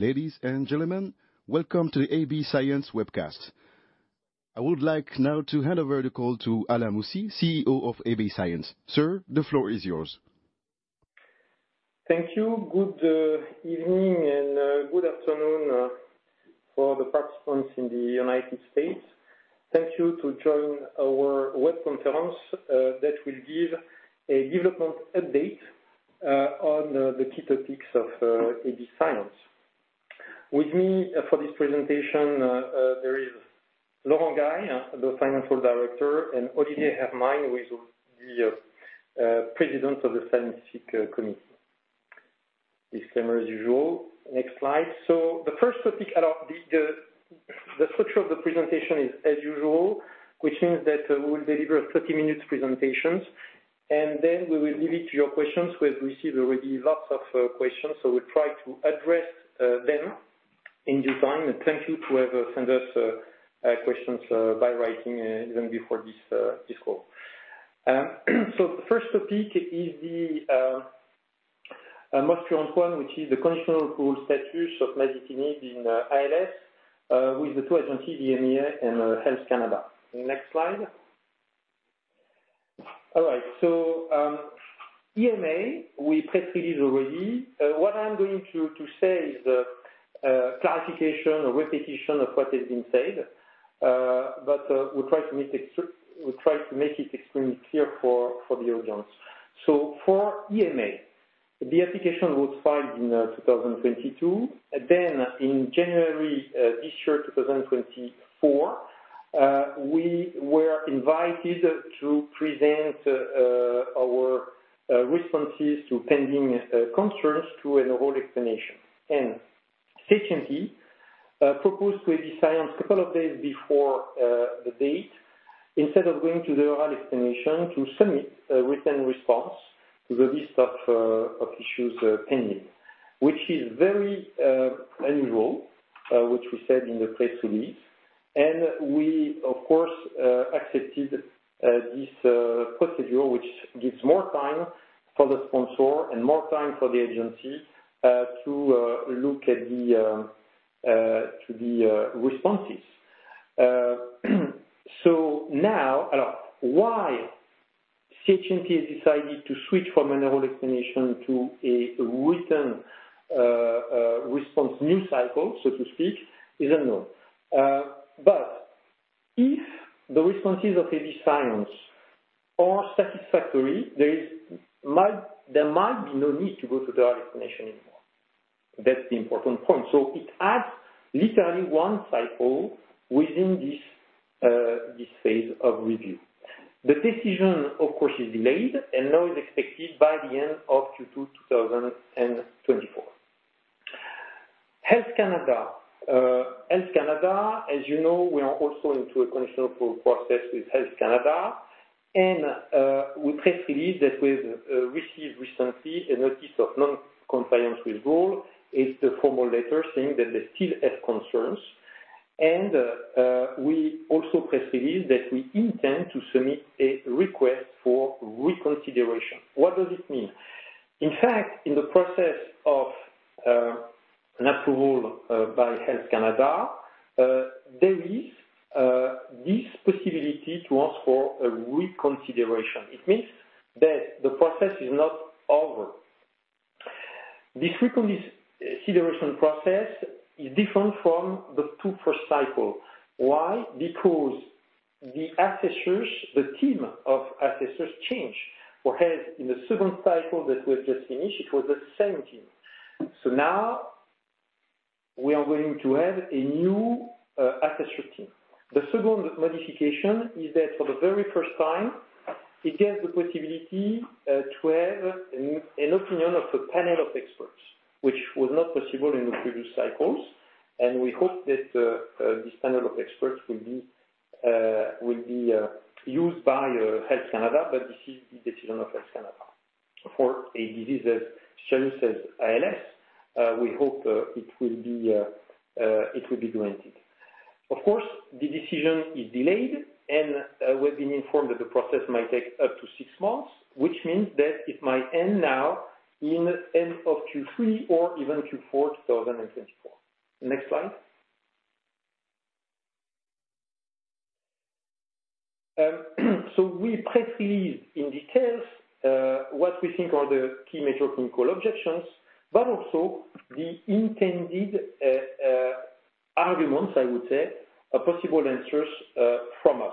Ladies and gentlemen, welcome to the AB Science webcast. I would like now to hand over the call to Alain Moussy, CEO of AB Science. Sir, the floor is yours. Thank you. Good evening and good afternoon for the participants in the United States. Thank you to join our web conference that will give a development update on the key topics of AB Science. With me for this presentation there is Laurent Guy, the Financial Director, and Olivier Hermine, who is the President of the Scientific Committee. Disclaimer as usual. Next slide. So the first topic—alors, the structure of the presentation is as usual, which means that we will deliver 30-minute presentations, and then we will leave it to your questions. We have received already lots of questions, so we'll try to address them in due time. And thank you to have sent us questions by writing even before this call. So the first topic is the most current one, which is the conditional approval status of masitinib in ALS with the two agencies, EMA and Health Canada. Next slide. All right. So, EMA, we press release already. What I'm going to say is a clarification or repetition of what has been said, but we'll try to make it extremely clear for the audience. So, for EMA, the application was filed in 2022, and then in January this year, 2024, we were invited to present our responses to pending concerns through an oral explanation. And CHMP proposed to AB Science a couple of days before the date, instead of going to the oral explanation, to submit a written response to the list of issues pending, which is very unusual, which we said in the press release. And we, of course, accepted this procedure, which gives more time for the sponsor and more time for the agency to look at the responses. So now, alors, why CHMP has decided to switch from an oral explanation to a written response news cycle, so to speak, is unknown. But if the responses of AB Science are satisfactory, there might be no need to go to the oral explanation anymore. That's the important point. So it adds literally one cycle within this phase of review. The decision, of course, is delayed and now is expected by the end of Q2 2024. Health Canada, as you know, we are also into a conditional rule process with Health Canada. And we press release that we have received recently a notice of non-compliance with rule. It's the formal letter saying that they still have concerns. And we also press release that we intend to submit a request for reconsideration. What does it mean? In fact, in the process of an approval by Health Canada, there is this possibility to ask for a reconsideration. It means that the process is not over. This reconsideration process is different from the two first cycles. Why? Because the assessors, the team of assessors, changed. Whereas in the second cycle that we have just finished, it was the same team. So now we are going to have a new assessor team. The second modification is that for the very first time, it gives the possibility to have an opinion of a panel of experts, which was not possible in the previous cycles. And we hope that this panel of experts will be used by Health Canada, but this is the decision of Health Canada. For a disease as serious as ALS, we hope it will be granted. Of course, the decision is delayed, and we've been informed that the process might take up to six months, which means that it might end now in the end of Q3 or even Q4 2024. Next slide. So we press release in detail what we think are the key major clinical objections, but also the intended arguments, I would say, possible answers from us.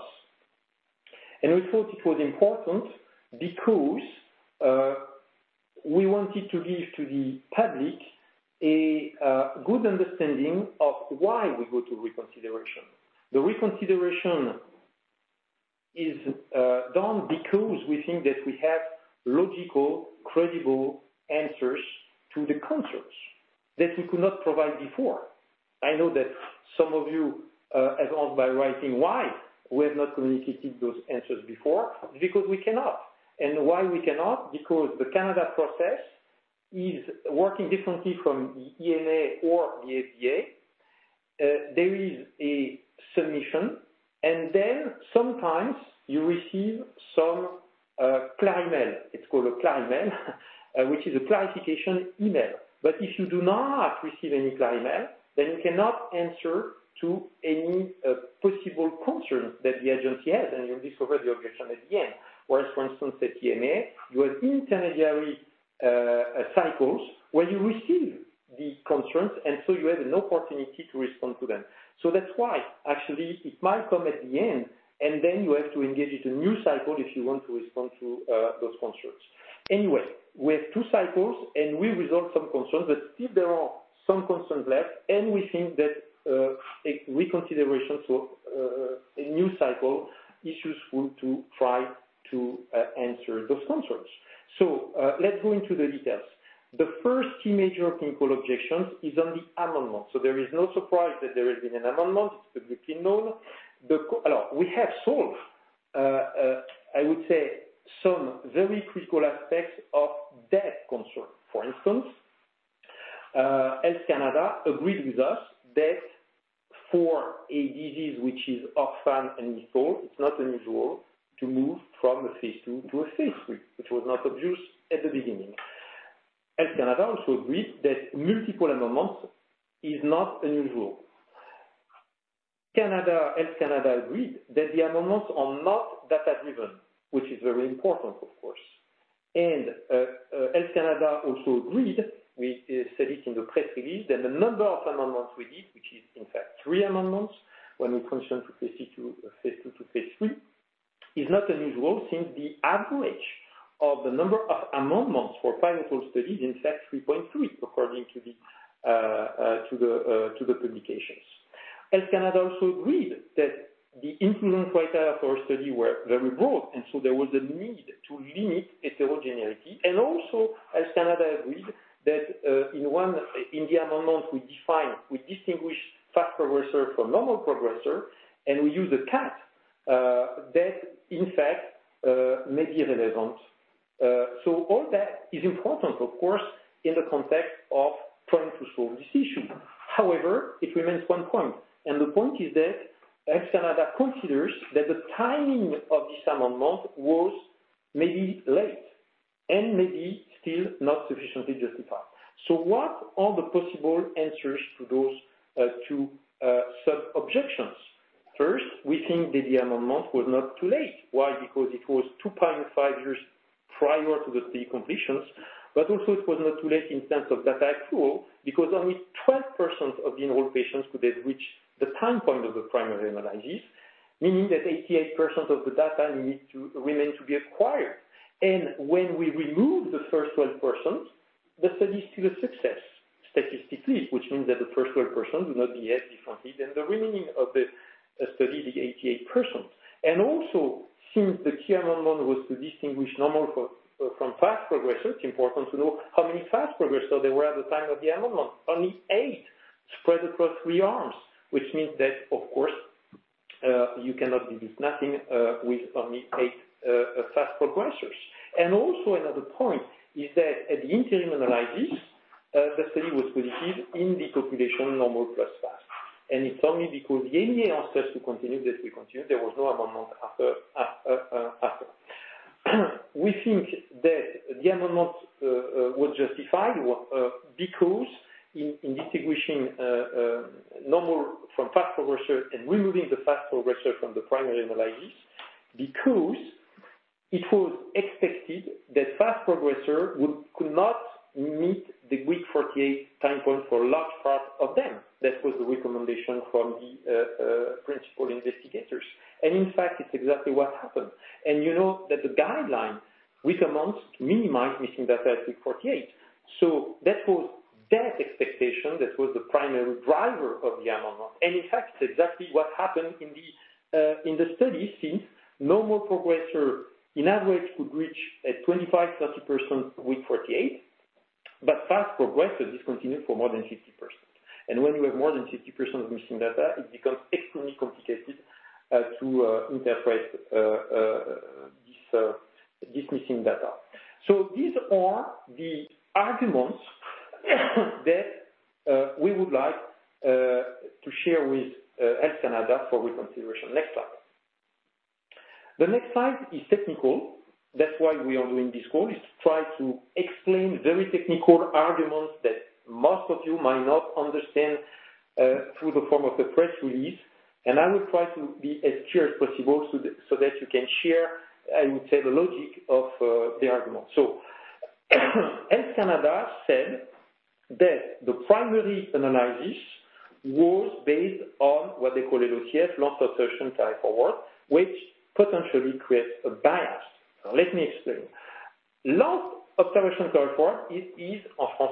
We thought it was important because we wanted to give to the public a good understanding of why we go to reconsideration. The reconsideration is done because we think that we have logical, credible answers to the concerns that we could not provide before. I know that some of you have asked by writing why we have not communicated those answers before. It's because we cannot. And why we cannot? Because the Canada process is working differently from the EMA or the FDA. There is a submission, and then sometimes you receive some Clarimail. It's called a Clarimail, which is a clarification email. But if you do not receive any Clarimail, then you cannot answer to any possible concerns that the agency has, and you'll discover the objection at the end. Whereas, for instance, at EMA, you have intermediary cycles where you receive the concerns, and so you have an opportunity to respond to them. So that's why, actually, it might come at the end, and then you have to engage in a new cycle if you want to respond to those concerns. Anyway, we have two cycles, and we resolved some concerns, but still there are some concerns left, and we think that reconsideration through a new cycle is useful to try to answer those concerns. So let's go into the details. The first key major clinical objections is on the amendment. There is no surprise that there has been an amendment. It's publicly known we have solved, I would say, some very critical aspects of that concern. For instance, Health Canada agreed with us that for a disease which is orphaned and withdrawn, it's not unusual to move from a phase 2 to a phase 3, which was not obvious at the beginning. Health Canada also agreed that multiple amendments is not unusual. Health Canada agreed that the amendments are not data-driven, which is very important, of course. And Health Canada also agreed, we said it in the press release, that the number of amendments we did, which is, in fact, three amendments when we transitioned from phase 2 to phase 3 is not unusual since the average of the number of amendments for pilot studies is, in fact, 3.3 according to the publications. Health Canada also agreed that the inclusion criteria for our study were very broad, and so there was a need to limit heterogeneity. And also, Health Canada agreed that in the amendment, we distinguish fast progressor from normal progressor, and we use a cut-off that, in fact, may be relevant. So all that is important, of course, in the context of trying to solve this issue. However, it remains one point. And the point is that Health Canada considers that the timing of this amendment was maybe late and maybe still not sufficiently justified. So what are the possible answers to those two sub-objections? First, we think that the amendment was not too late. Why? Because it was two and a half years prior to the study completions, but also it was not too late in terms of data accrual because only 12% of the enrolled patients could have reached the time point of the primary analysis, meaning that 88% of the data needed to remain to be acquired. And when we remove the first 12%, the study is still a success statistically, which means that the first 12% do not behave differently than the remaining of the study, the 88%. And also, since the key amendment was to distinguish normal from fast progressor, it's important to know how many fast progressor there were at the time of the amendment. Only 8 spread across three arms, which means that, of course, you cannot deduce nothing with only eight fast progressors. Also, another point is that at the interim analysis, the study was positive in the population normal plus fast. It's only because the EMA asked us to continue that we continued. There was no amendment after. We think that the amendment was justified because in distinguishing normal from fast progressor and removing the fast progressor from the primary analysis, because it was expected that fast progressor could not meet the week 48 time point for a large part of them. That was the recommendation from the principal investigators. In fact, it's exactly what happened. You know that the guideline recommends to minimize missing data at week 48. So that was that expectation. That was the primary driver of the amendment. In fact, it's exactly what happened in the study since normal progressor, in average, could reach at 25%-30% week 48, but fast progressor discontinued for more than 50%. And when you have more than 50% of missing data, it becomes extremely complicated to interpret this missing data. So these are the arguments that we would like to share with Health Canada for reconsideration. Next slide. The next slide is technical. That's why we are doing this call, is to try to explain very technical arguments that most of you might not understand through the form of the press release. And I will try to be as clear as possible so that you can share, I would say, the logic of the argument. So Health Canada said that the primary analysis was based on what they call LOCF, Last Observation Carried Forward, which potentially creates a bias. Let me explain. Last Observation Carried Forward is, in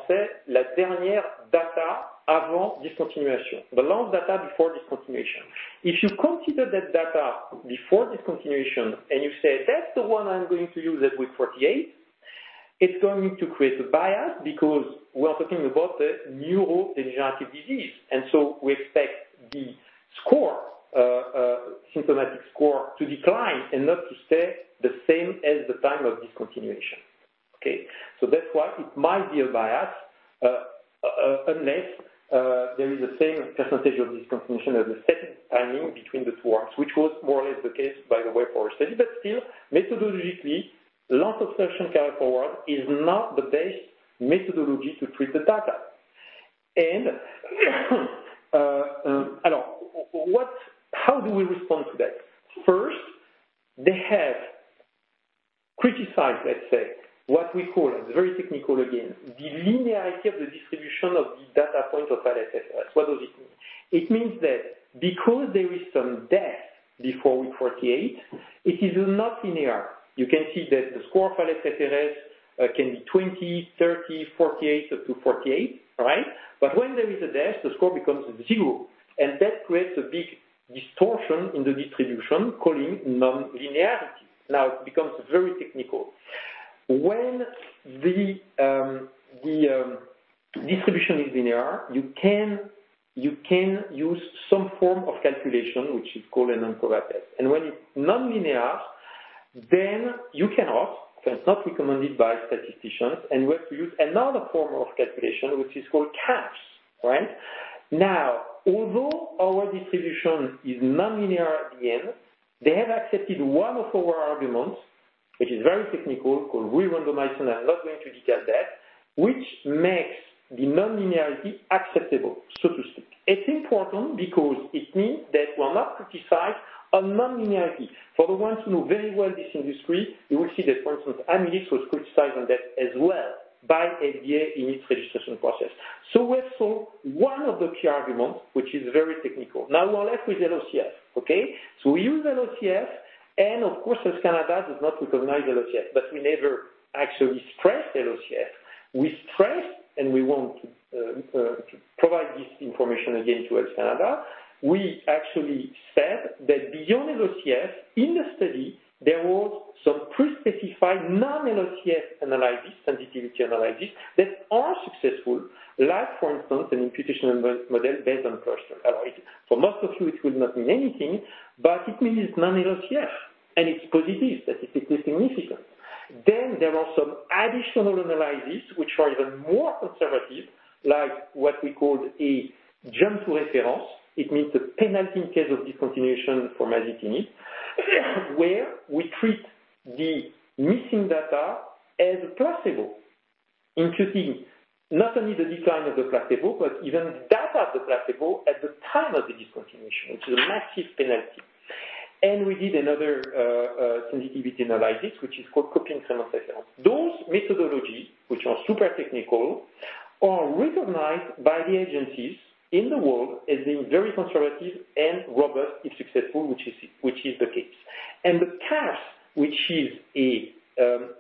French, la dernière data avant discontinuation, the last data before discontinuation. If you consider that data before discontinuation and you say, "That's the one I'm going to use at week 48," it's going to create a bias because we are talking about a neurodegenerative disease. And so we expect the symptomatic score to decline and not to stay the same as the time of discontinuation. Okay? So that's why it might be a bias unless there is the same percentage of discontinuation as the second timing between the two arms, which was more or less the case, by the way, for our study. But still, methodologically, Last Observation Carried Forward is not the best methodology to treat the data. And alors, how do we respond to that? First, they have criticized, let's say, what we call, and it's very technical again, the linearity of the distribution of the data points of ALSFRS-R. What does it mean? It means that because there is some deaths before week 48, it is not linear. You can see that the score of ALSFRS-R can be 20, 30, 48, up to 48, all right? But when there is a death, the score becomes zero. And that creates a big distortion in the distribution causing nonlinearity. Now, it becomes very technical. When the distribution is linear, you can use some form of calculation, which is called nonparametric. And when it's nonlinear, then you cannot, so it's not recommended by statisticians, and you have to use another form of calculation, which is called CAFS, right? Now, although our distribution is nonlinear at the end, they have accepted one of our arguments, which is very technical, called re-randomization. I'm not going to detail that, which makes the nonlinearity acceptable, so to speak. It's important because it means that we are not criticizing a nonlinearity. For the ones who know very well this industry, you will see that, for instance, Amylyx was criticized on that as well by FDA in its registration process. So we have solved one of the key arguments, which is very technical. Now, we are left with LOCF. Okay? So we use LOCF, and of course, Health Canada does not recognize LOCF, but we never actually stressed LOCF. We stressed, and we want to provide this information again to Health Canada. We actually said that beyond LOCF, in the study, there was some pre-specified non-LOCF analysis, sensitivity analysis, that are successful, like, for instance, an imputation model based on cluster. For most of you, it will not mean anything, but it means non-LOCF, and it's positive that it is significant. Then there are some additional analyses, which are even more conservative, like what we called a jump to reference. It means a penalty in case of discontinuation for masitinib, where we treat the missing data as a placebo, including not only the decline of the placebo but even the data of the placebo at the time of the discontinuation, which is a massive penalty. And we did another sensitivity analysis, which is called copying CREMOS reference. Those methodologies, which are super technical, are recognized by the agencies in the world as being very conservative and robust if successful, which is the case. The CAFS, which is a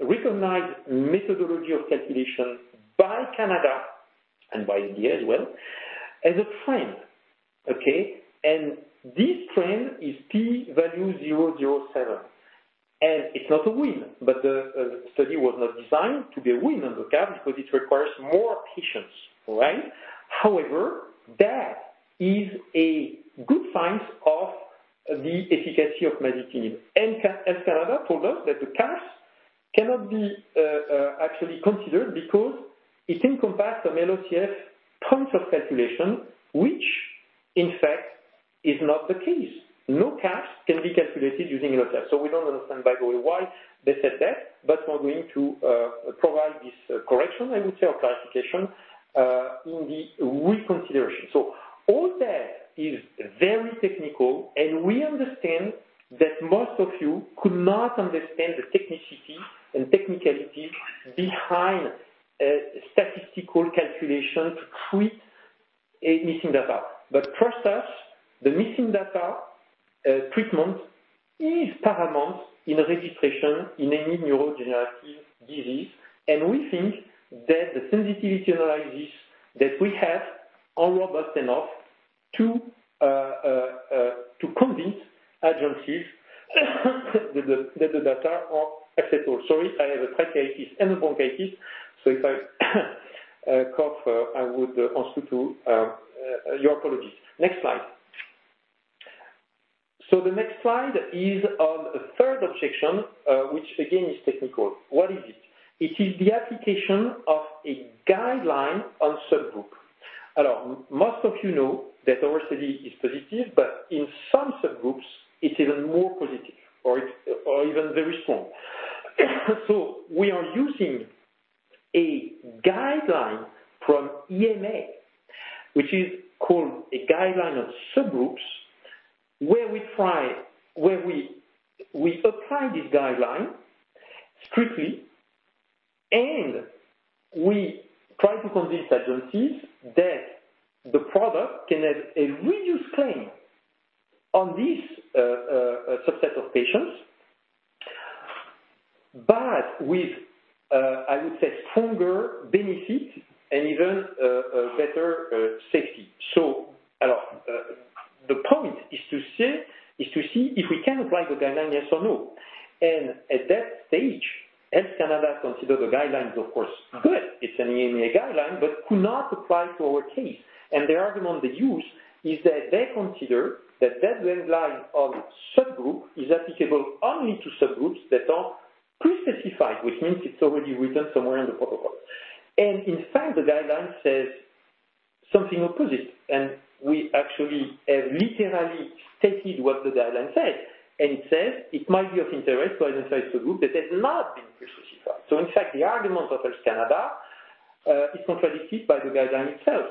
recognized methodology of calculation by Canada and by FDA as well, has a trend. Okay? This trend is T-value 0.07. It's not a win, but the study was not designed to be a win under CAFS because it requires more patience, all right? However, that is a good sign of the efficacy of masitinib. Health Canada told us that the CAFS cannot be actually considered because it encompasses some LOCF points of calculation, which, in fact, is not the case. No CAFS can be calculated using LOCF. We don't understand, by the way, why they said that, but we are going to provide this correction, I would say, or clarification in the reconsideration. So all that is very technical, and we understand that most of you could not understand the technicity and technicality behind statistical calculation to treat missing data. But trust us, the missing data treatment is paramount in registration in any neurodegenerative disease. And we think that the sensitivity analysis that we have is robust enough to convince agencies that the data are acceptable. Sorry, I have a tracheitis and a bronchitis, so if I cough, I would answer to your apologies. Next slide. So the next slide is on a third objection, which, again, is technical. What is it? It is the application of a guideline on subgroup. Most of you know that our study is positive, but in some subgroups, it's even more positive or even very strong. So we are using a guideline from EMA, which is called a guideline of subgroups, where we apply this guideline strictly, and we try to convince agencies that the product can have a reduced claim on this subset of patients but with, I would say, stronger benefits and even better safety. So alors, the point is to see if we can apply the guideline, yes or no. And at that stage, Health Canada considered the guidelines, of course, good. It's an EMA guideline but could not apply to our case. And the argument they use is that they consider that that guideline of subgroup is applicable only to subgroups that are pre-specified, which means it's already written somewhere in the protocol. And in fact, the guideline says something opposite. And we actually have literally stated what the guideline says. And it says it might be of interest to identify subgroups that have not been pre-specified. So in fact, the argument of Health Canada is contradicted by the guideline itself.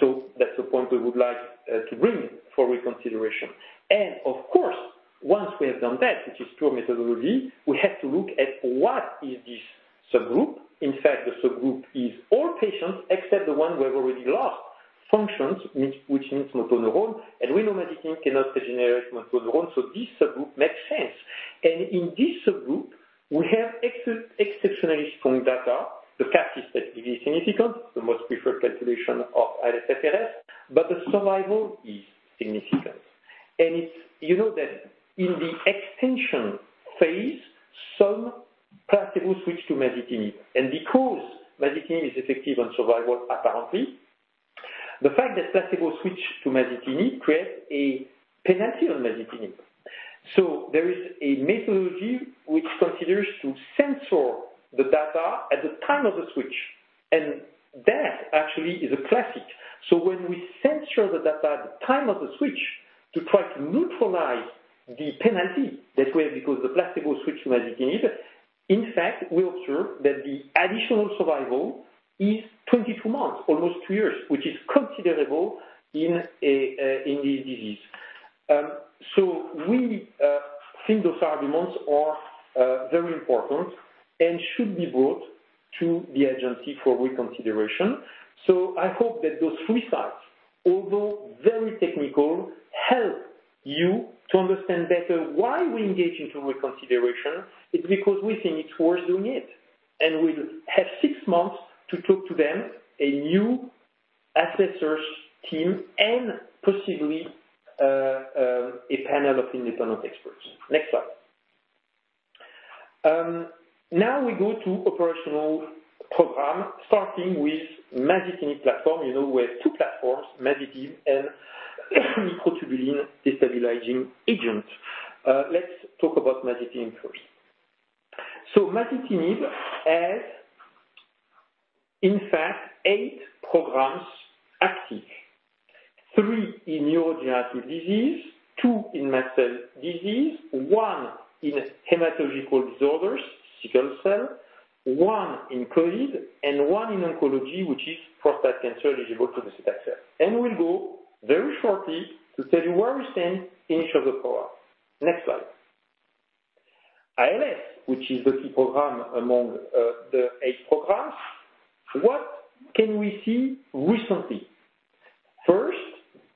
So that's a point we would like to bring for reconsideration. And of course, once we have done that, which is pure methodology, we have to look at what is this subgroup. In fact, the subgroup is all patients except the one we have already lost, functions, which means motor neuron. And we know masitinib cannot regenerate motor neurons, so this subgroup makes sense. And in this subgroup, we have exceptionally strong data. The CAPS is statistically significant, the most preferred calculation of ALSFRS, but the survival is significant. And you know that in the extension phase, some placebos switch to masitinib. Because masitinib is effective on survival, apparently, the fact that placebos switch to masitinib creates a penalty on masitinib. So there is a methodology which considers to censor the data at the time of the switch. And that actually is a classic. So when we censor the data at the time of the switch to try to neutralize the penalty that we have because the placebo switched to masitinib, in fact, we observe that the additional survival is 22 months, almost two years, which is considerable in this disease. So we think those arguments are very important and should be brought to the agency for reconsideration. So I hope that those three slides, although very technical, help you to understand better why we engage into reconsideration. It's because we think it's worth doing it. We'll have six months to talk to them, a new assessor's team, and possibly a panel of independent experts. Next slide. Now we go to operational program, starting with masitinib platform. We have two platforms, masitinib and microtubule destabilizing agent. Let's talk about masitinib first. So masitinib has, in fact, eight programs active: three in neurodegenerative disease, two in mast cell disease, one in hematological disorders, sickle cell, one in COVID, and one in oncology, which is prostate cancer eligible to the Taxotere. And we'll go very shortly to tell you where we stand in each of the programs. Next slide. ALS, which is the key program among the eight programs, what can we see recently? First,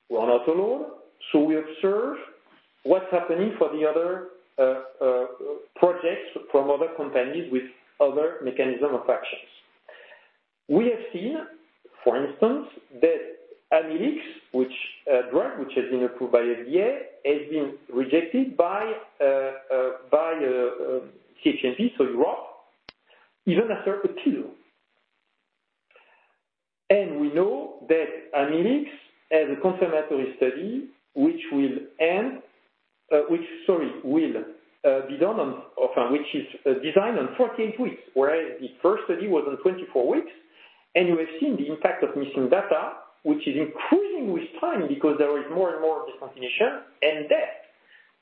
we are not alone. So we observe what's happening for the other projects from other companies with other mechanisms of actions. We have seen, for instance, that Amylyx, which is a drug that has been approved by FDA, has been rejected by CHMP, so Europe, even after an appeal. We know that Amylyx has a confirmatory study which will end, will be done on which is designed on 48 weeks, whereas the first study was on 24 weeks. You have seen the impact of missing data, which is increasing with time because there is more and more discontinuation and death,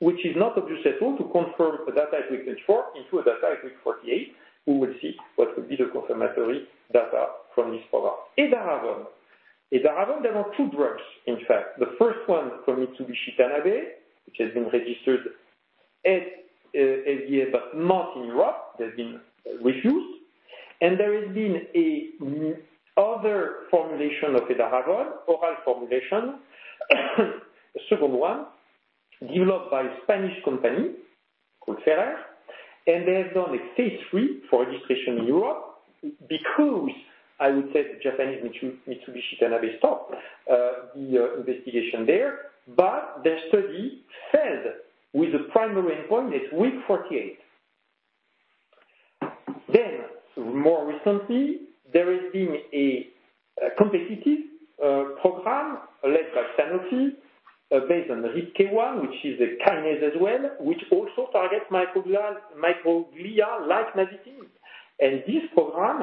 which is not obvious at all to convert the data at week 24 into data at week 48. We will see what will be the confirmatory data from this program. Edaravone. Edaravone, there are two drugs, in fact. The first one from Mitsubishi Tanabe, which has been registered at FDA but not in Europe. They've been refused. There has been another formulation of edaravone, oral formulation, a second one, developed by a Spanish company called Ferrer. They have done a phase 3 for registration in Europe because, I would say, the Japanese Mitsubishi Tanabe stopped the investigation there. But their study failed with a primary endpoint at week 48. Then, more recently, there has been a competitive program led by Sanofi based on RIPK1, which is a kinase as well, which also targets microglia like masitinib. This program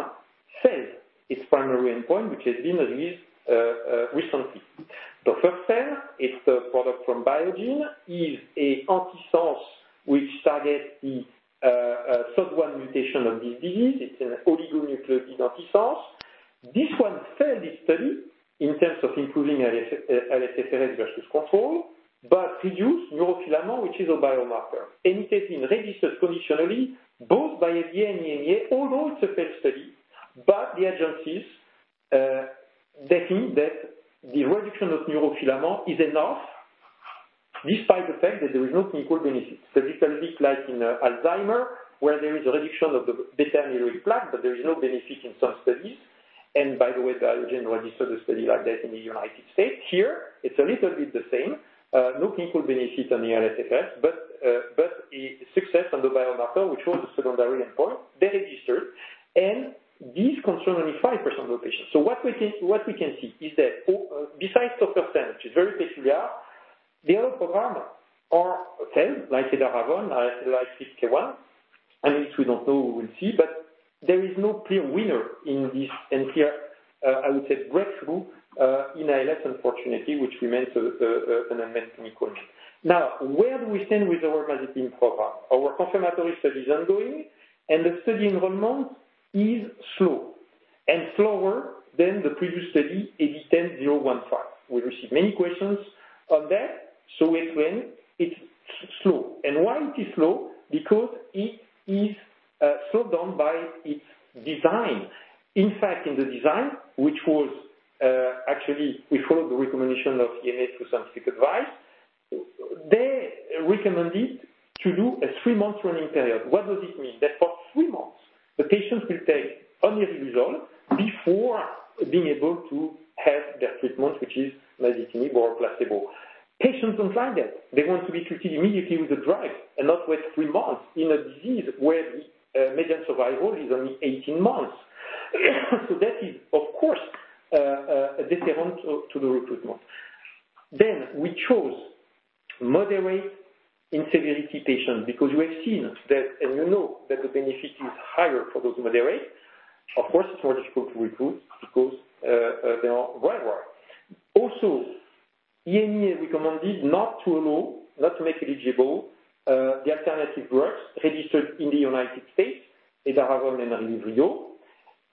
failed its primary endpoint, which has been released recently tofersen, it is the product from Biogen, is an antisense which targets the SOD1 mutation of this disease. It is an oligonucleotide antisense. This one failed its study in terms of improving ALSFRS-R versus control but reduced neurofilament, which is a biomarker. It has been registered conditionally both by FDA and EMA, although it's a failed study. The agencies think that the reduction of neurofilament is enough despite the fact that there is no clinical benefit. It's a little bit like in Alzheimer, where there is a reduction of the beta amyloid plaque, but there is no benefit in some studies. By the way, Biogen registered a study like that in the United States. Here, it's a little bit the same. No clinical benefit on the LSFRS but a success on the biomarker, which was a secondary endpoint. They registered. This concerned only 5% of the patients. What we can see is that besides Dr. Sen, which is very peculiar, the other programs are failed, like edaravone, like RIPK1. Amylyx, we don't know. We will see. But there is no clear winner in this and clear, I would say, breakthrough in ALS, unfortunately, which remains an unmet clinical need. Now, where do we stand with our masitinib program? Our confirmatory study is ongoing, and the study enrollment is slow and slower than the previous study, AB10015. We received many questions on that. So again, it's slow. And why it is slow? Because it is slowed down by its design. In fact, in the design, which was actually we followed the recommendation of EMA through scientific advice. They recommended to do a three-month running period. What does it mean? That for three months, the patients will take only riluzole before being able to have their treatment, which is masitinib or placebo. Patients don't like that. They want to be treated immediately with a drug and not wait three months in a disease where the median survival is only 18 months. So that is, of course, a deterrent to the recruitment. Then we chose moderate in severity patients because you have seen that and you know that the benefit is higher for those moderate. Of course, it's more difficult to recruit because there are rare ones. Also, EMA recommended not to allow, not to make eligible, the alternative drugs registered in the United States, edaravone and Relyvrio.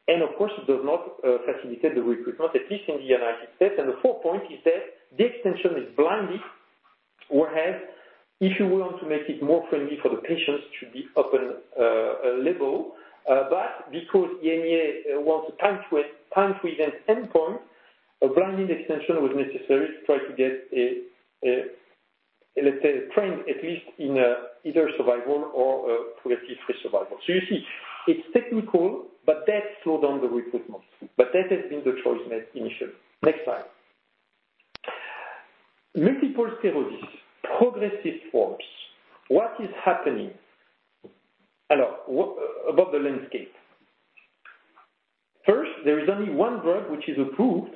And of course, it does not facilitate the recruitment, at least in the United States. And the fourth point is that the extension is blinded, whereas if you want to make it more friendly for the patients, it should be open label. But because EMA wants a time-to-event endpoint, a blinded extension was necessary to try to get a, let's say, a trend at least in either survival or progression-free survival. So you see, it's technical, but that slowed down the recruitment. But that has been the choice made initially. Next slide. Multiple sclerosis, progressive forms. What is happening about the landscape? First, there is only one drug which is approved,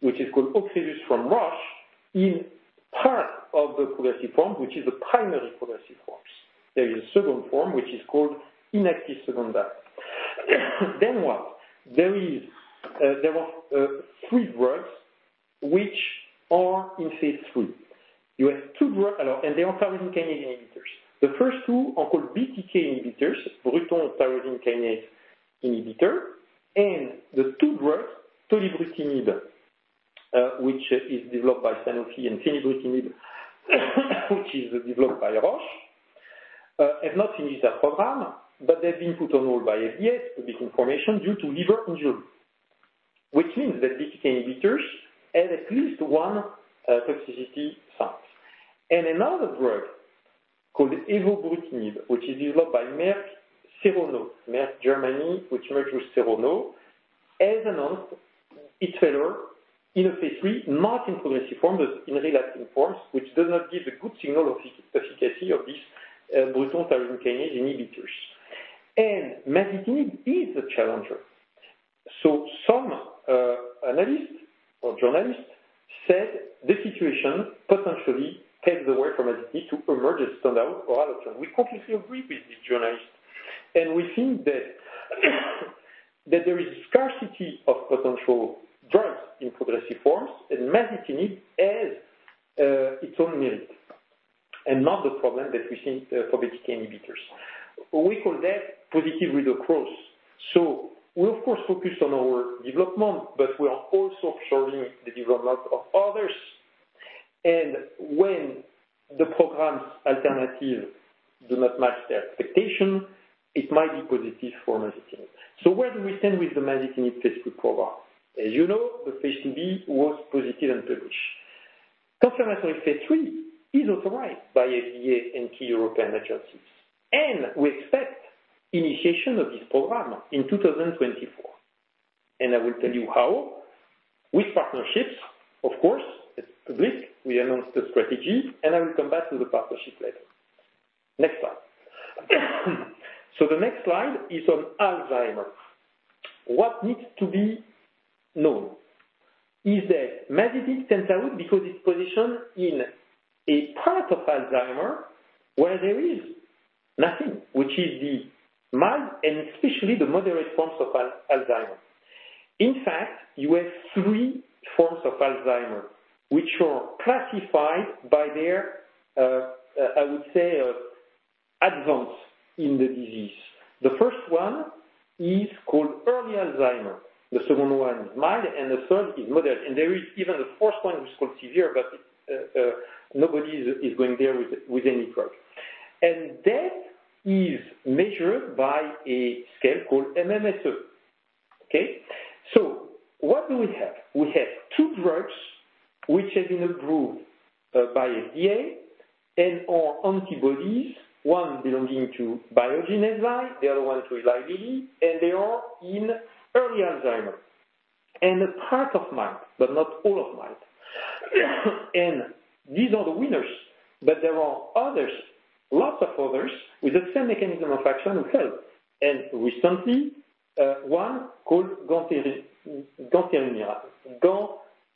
which is called Ocrevus from Roche, in part of the progressive forms, which is the primary progressive forms. There is a second form, which is called secondary. Then what? There are three drugs which are in phase 3. You have two drugs, and they are tyrosine kinase inhibitors. The first two are called BTK inhibitors, Bruton tyrosine kinase inhibitor. The two drugs, tolebrutinib, which is developed by Sanofi, and fenebrutinib, which is developed by Roche, have not finished their program, but they've been put on hold by FDA, public information, due to liver injury, which means that BTK inhibitors have at least one toxicity sign. Another drug called evobrutinib, which is developed by Merck Serono, Merck Germany, which merged with Serono, has announced its failure in a phase 3, not in progressive form but in relaxing forms, which does not give a good signal of efficacy of these Bruton tyrosine kinase inhibitors. Masitinib is a challenger. So some analysts or journalists said the situation potentially paves the way for masitinib to emerge as a standout oral option. We completely agree with these journalists. We think that there is a scarcity of potential drugs in progressive forms, and masitinib has its own merit and not the problem that we see for BTK inhibitors. We call that positive read-across. So we, of course, focus on our development, but we are also observing the development of others. And when the programs' alternatives do not match their expectation, it might be positive for masitinib. So where do we stand with the masitinib phase 3 program? As you know, the phase 2 B was positive and published. Confirmatory phase 3 is authorized by FDA and key European agencies. And we expect initiation of this program in 2024. And I will tell you how. With partnerships, of course, it's public. We announced the strategy, and I will come back to the partnership later. Next slide. So the next slide is on Alzheimer's. What needs to be known is that masitinib stands out because it's positioned in a part of Alzheimer where there is nothing, which is the mild and especially the moderate forms of Alzheimer. In fact, you have three forms of Alzheimer, which are classified by their, I would say, advance in the disease. The first one is called early Alzheimer. The second one is mild, and the third is moderate. And there is even a fourth one which is called severe, but nobody is going there with any drug. And that is measured by a scale called MMSE. Okay? So what do we have? We have two drugs which have been approved by FDA and are antibodies, one belonging to Biogen Eisai, the other one to Eli Lilly, and they are in early Alzheimer and a part of mild but not all of mild. And these are the winners. But there are others, lots of others with the same mechanism of action that failed. Recently, one called gantenirumab.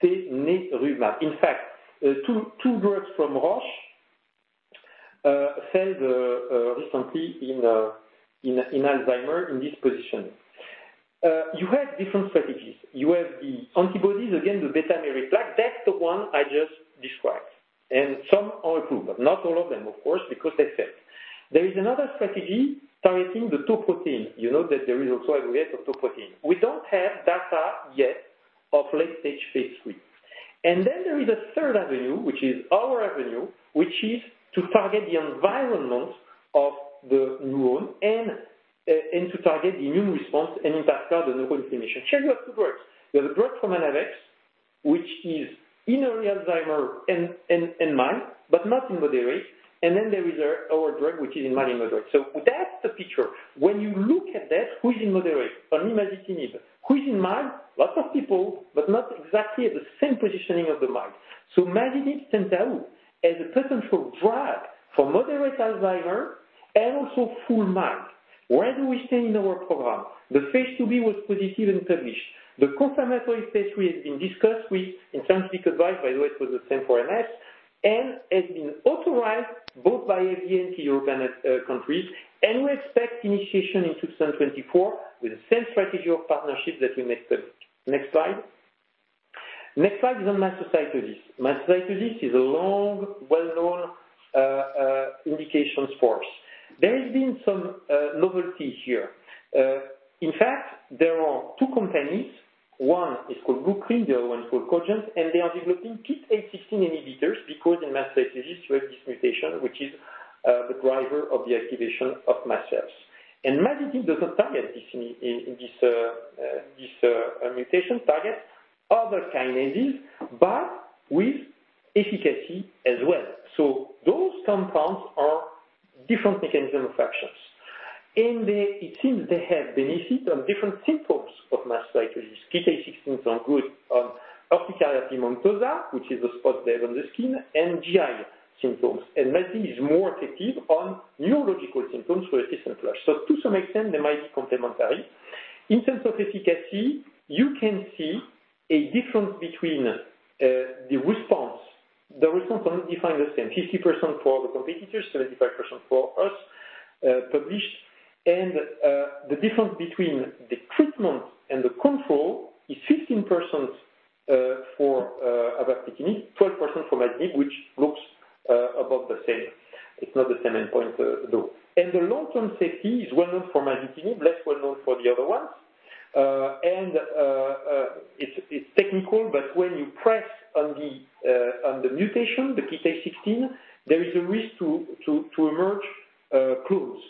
In fact, two drugs from Roche failed recently in Alzheimer's in this position. You have different strategies. You have the antibodies, again, the beta-amyloid plaque. That's the one I just described. And some are approved, but not all of them, of course, because they failed. There is another strategy targeting the tau protein. You know that there is also aggregate of tau protein. We don't have data yet of late-stage phase 3. And then there is a third avenue, which is our avenue, which is to target the environment of the neuron and to target the immune response and, in particular, the neuroinflammation. Here, you have two drugs. You have a drug from Anavex, which is in early Alzheimer's and mild but not in moderate. Then there is our drug, which is in mild and moderate. So that's the picture. When you look at that, who is in moderate? Only masitinib. Who is in mild? Lots of people but not exactly at the same positioning of the mild. So masitinib stands out as a potential drug for moderate Alzheimer's and also full mild. Where do we stand in our program? The phase 2b was positive and published. The confirmatory phase 3 has been discussed with scientific advice. By the way, it was the same for MS and has been authorized both by FDA and key European countries. And we expect initiation in 2024 with the same strategy of partnership that we made public. Next slide. Next slide is on mastocytosis. Mastocytosis is a long, well-known indication, of course. There has been some novelty here. In fact, there are two companies. One is called Blueprint Medicines. The other one is called Cogent. They are developing KIT D816 inhibitors because in mastocytosis, you have this mutation, which is the driver of the activation of mast cells. Masitinib doesn't target this mutation. It targets other kinases but with efficacy as well. So those compounds are different mechanisms of actions. It seems they have benefit on different symptoms of mastocytosis. KIT D816 is good on urticaria pigmentosa, which is the spot dead on the skin, and GI symptoms. Masitinib is more effective on neurological symptoms for a distant flush. So to some extent, they might be complementary. In terms of efficacy, you can see a difference between the response. The response is not defined the same. 50% for the competitors, 75% for us, published. The difference between the treatment and the control is 15% for avapritinib, 12% for masitinib, which looks about the same. It's not the same endpoint, though. And the long-term safety is well-known for masitinib, less well-known for the other ones. And it's technical. But when you press on the mutation, the KIT D816, there is a risk to emerge clones.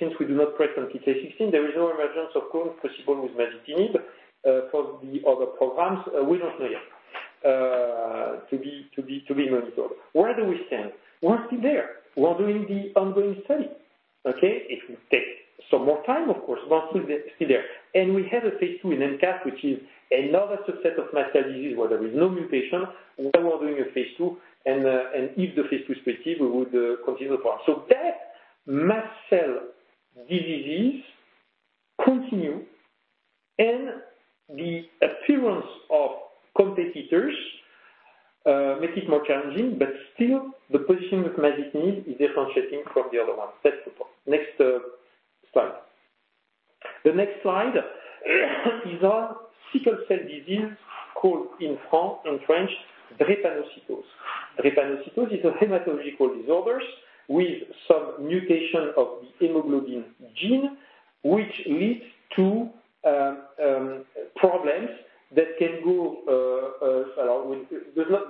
Since we do not press on PIT816, there is no emergence of clones possible with masitinib. For the other programs, we don't know yet to be monitored. Where do we stand? We're still there. We're doing the ongoing study. Okay? If we take some more time, of course, we're still there. And we have a phase 2 in MCAS, which is another subset of myeloid disease where there is no mutation. We are doing a phase 2. And if the phase 2 is positive, we would continue the program. So that myeloid diseases continue and the appearance of competitors makes it more challenging. But still, the position with masitinib is differentiating from the other ones. That's the point. Next slide. The next slide is on sickle cell disease called in French, drepanocytosis. Drepanocytosis is a hematological disorder with some mutation of the hemoglobin gene, which leads to problems that can go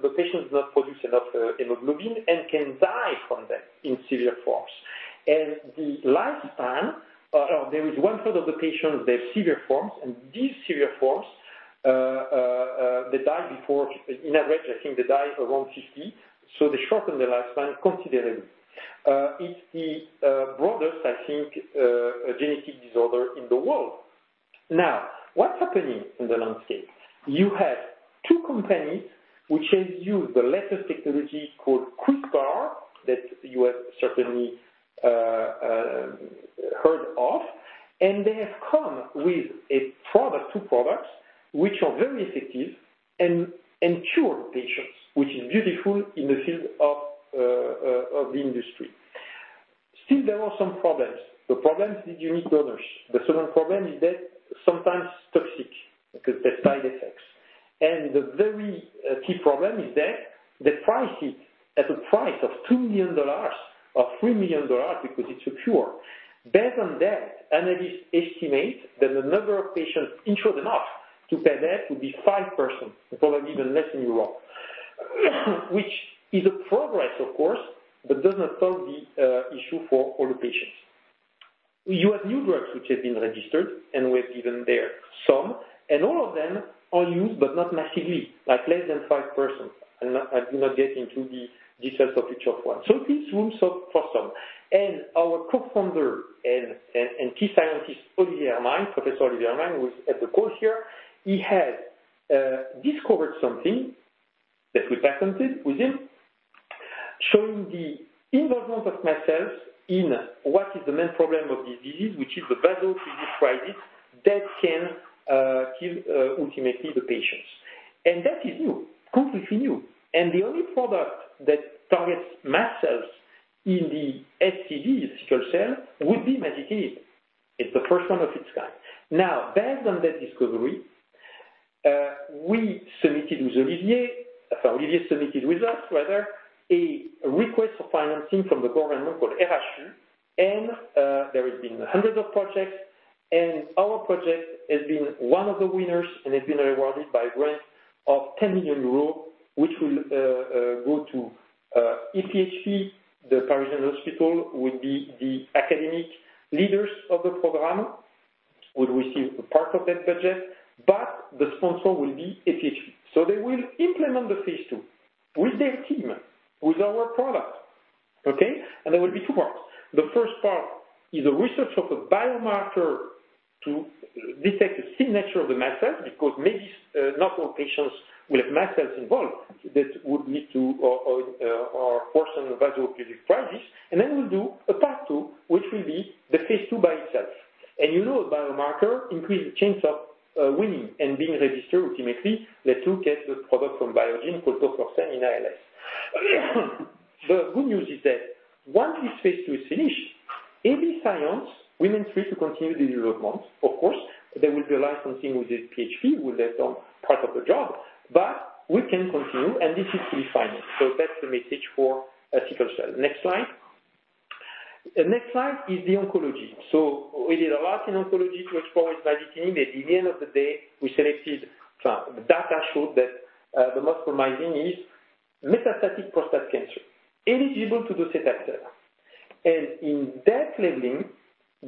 the patient does not produce enough hemoglobin and can die from them in severe forms. And the lifespan there is one third of the patients, they have severe forms. And these severe forms, they die before in average, I think they die around 50. So they shorten the lifespan considerably. It's the broadest, I think, genetic disorder in the world. Now, what's happening in the landscape? You have two companies which have used the latest technology called CRISPR that you have certainly heard of. They have come with two products which are very effective and cure the patients, which is beautiful in the field of the industry. Still, there are some problems. The problems need unique donors. The second problem is that sometimes toxic because there are side effects. The very key problem is that they price it at a price of $2 million or $3 million because it's a cure. Based on that, analysts estimate that the number of patients insured enough to pay that would be 5%, probably even less in Europe, which is a progress, of course, but does not solve the issue for all the patients. You have new drugs which have been registered, and we have given there some. All of them are used but not massively, like less than 5%. I do not get into the details of each of one. So it leaves room for some. Our co-founder and key scientist, Professor Olivier Hermine, who is on the call here, he has discovered something that we patented with him showing the involvement of mast cells in what is the main problem of this disease, which is the vaso-occlusive crisis that can kill ultimately the patients. That is new, completely new. The only product that targets mast cells in the SCD, the sickle cell, would be masitinib. It's the first one of its kind. Now, based on that discovery, we submitted with Olivier in fact, Olivier submitted with us, rather, a request for financing from the government called RHU. There have been hundreds of projects. Our project has been one of the winners, and it's been awarded by a grant of 10 million euros, which will go to AP-HP, the Parisian hospital, who would be the academic leaders of the program, would receive a part of that budget. But the sponsor will be AP-HP. So they will implement the phase two with their team, with our product. Okay? And there will be two parts. The first part is a research of a biomarker to detect the signature of the sickle cells because maybe not all patients will have sickle cells involved that would lead to or force a vaso-occlusive crisis. And then we'll do a part two, which will be the phase two by itself. And you know a biomarker increases the chance of winning and being registered ultimately. Let's look at the product from Biogen called tofersen in ALS. The good news is that once this phase two is finished, AB Science, we're free to continue the development, of course, there will be a licensing with AP-HP. We'll let them part of the job. But we can continue, and this is fully financed. So that's the message for sickle cell. Next slide. Next slide is the oncology. So we did a lot in oncology to explore with masitinib. At the end of the day, we selected the data showed that the most promising is metastatic prostate cancer, eligible to do Taxotere. And in that setting,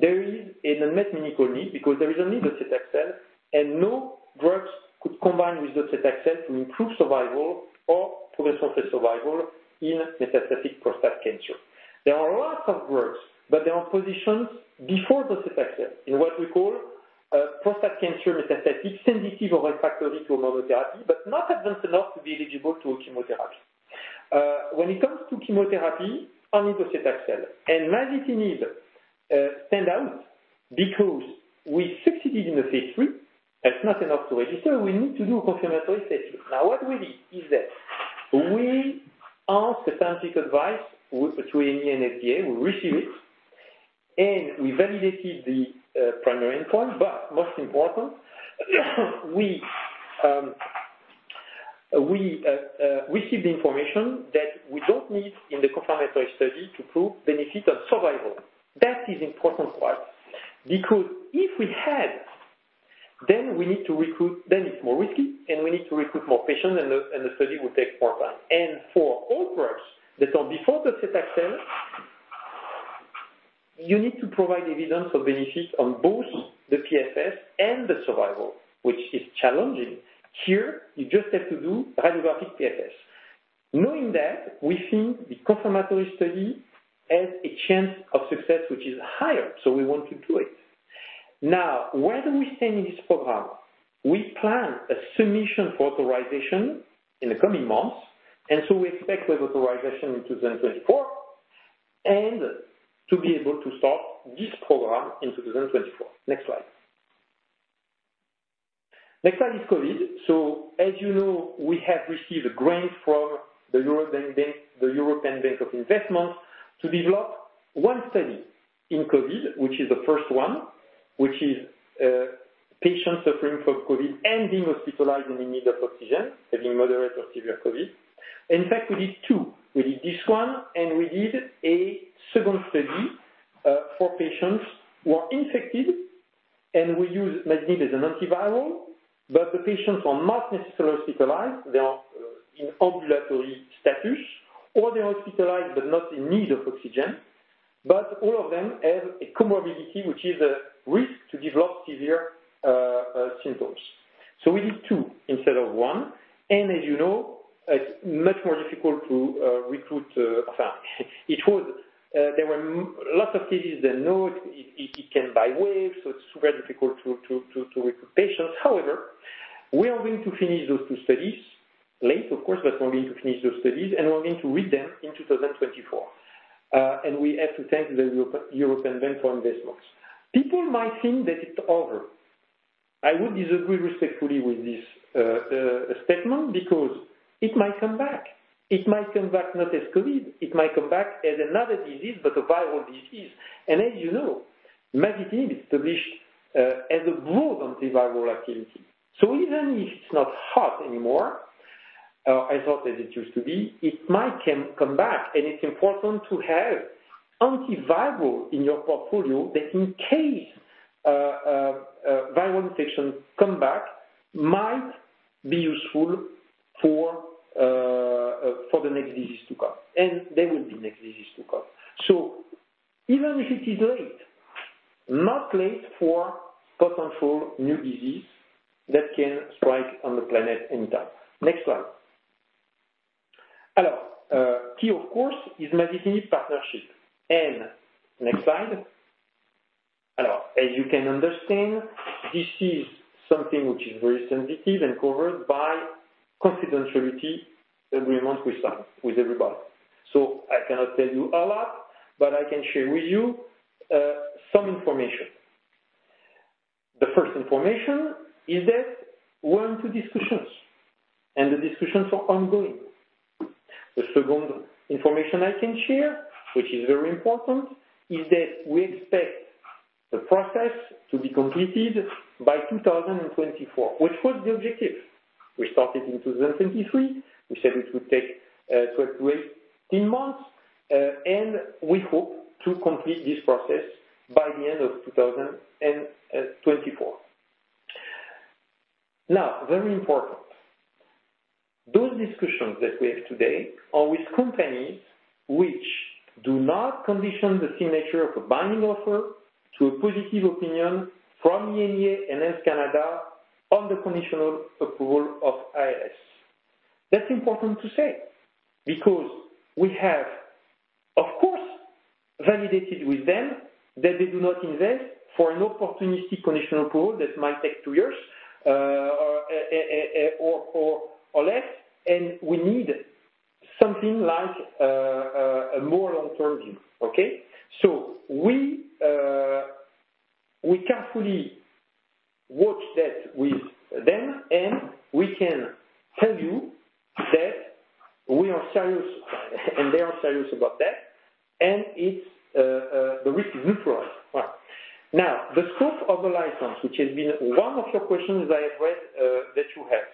there is an unmet clinical need because there is only the Taxotere, and no drugs could combine with the Taxotere to improve survival or progression of survival in metastatic prostate cancer. There are lots of drugs, but they are positioned before the CET XL in what we call prostate cancer metastatic, sensitive or refractory to hormonal therapy but not advanced enough to be eligible to do chemotherapy. When it comes to chemotherapy, only the CET XL. And masitinib stands out because we succeeded in the phase 3. That's not enough to register. We need to do a confirmatory phase 3. Now, what we did is that we asked the scientific advice through EMA and FDA. We received it. And we validated the primary endpoint. But most important, we received the information that we don't need in the confirmatory study to prove benefit on survival. That is important part because if we had, then we need to recruit then it's more risky, and we need to recruit more patients, and the study will take more time. For all drugs that are before the CET XL, you need to provide evidence of benefit on both the PFS and the survival, which is challenging. Here, you just have to do radiographic PFS. Knowing that, we think the confirmatory study has a chance of success, which is higher. So we want to do it. Now, where do we stand in this program? We plan a submission for authorization in the coming months. And so we expect we have authorization in 2024 and to be able to start this program in 2024. Next slide. Next slide is COVID. So as you know, we have received a grant from the European Investment Bank to develop one study in COVID, which is the first one, which is patients suffering from COVID and being hospitalized and in need of oxygen, having moderate or severe COVID. In fact, we did two. We did this one, and we did a second study for patients who are infected. We use masitinib as an antiviral. But the patients are not necessarily hospitalized. They are in ambulatory status, or they're hospitalized but not in need of oxygen. But all of them have a comorbidity, which is a risk to develop severe symptoms. So we did two instead of one. As you know, it's much more difficult to recruit. In fact, there were lots of cases that, no, it can by waves. So it's super difficult to recruit patients. However, we are going to finish those two studies late, of course, but we're going to finish those studies. We're going to read them in 2024. We have to thank the European Investment Bank. People might think that it's over. I would disagree respectfully with this statement because it might come back. It might come back not as COVID. It might come back as another disease but a viral disease. As you know, masitinib is published as a broad antiviral activity. Even if it's not hot anymore, as hot as it used to be, it might come back. It's important to have antiviral in your portfolio that in case viral infection come back, might be useful for the next disease to come. There will be next disease to come. Even if it is late, not late for potential new disease that can strike on the planet anytime. Next slide. Alors, key, of course, is masitinib partnership. Next slide. Alors, as you can understand, this is something which is very sensitive and covered by confidentiality agreement with everybody. So I cannot tell you a lot, but I can share with you some information. The first information is that we're into discussions, and the discussions are ongoing. The second information I can share, which is very important, is that we expect the process to be completed by 2024, which was the objective. We started in 2023. We said it would take 12 months to 18 months. And we hope to complete this process by the end of 2024. Now, very important, those discussions that we have today are with companies which do not condition the signature of a binding offer to a positive opinion from EMA and Health Canada on the conditional approval of ALS. That's important to say because we have, of course, validated with them that they do not invest for an opportunistic conditional approval that might take two years or less. And we need something like a more long-term view. Okay? So we carefully watch that with them. We can tell you that we are serious, and they are serious about that. The risk is neutralized. Now, the scope of the license, which has been one of your questions that I have read that you have,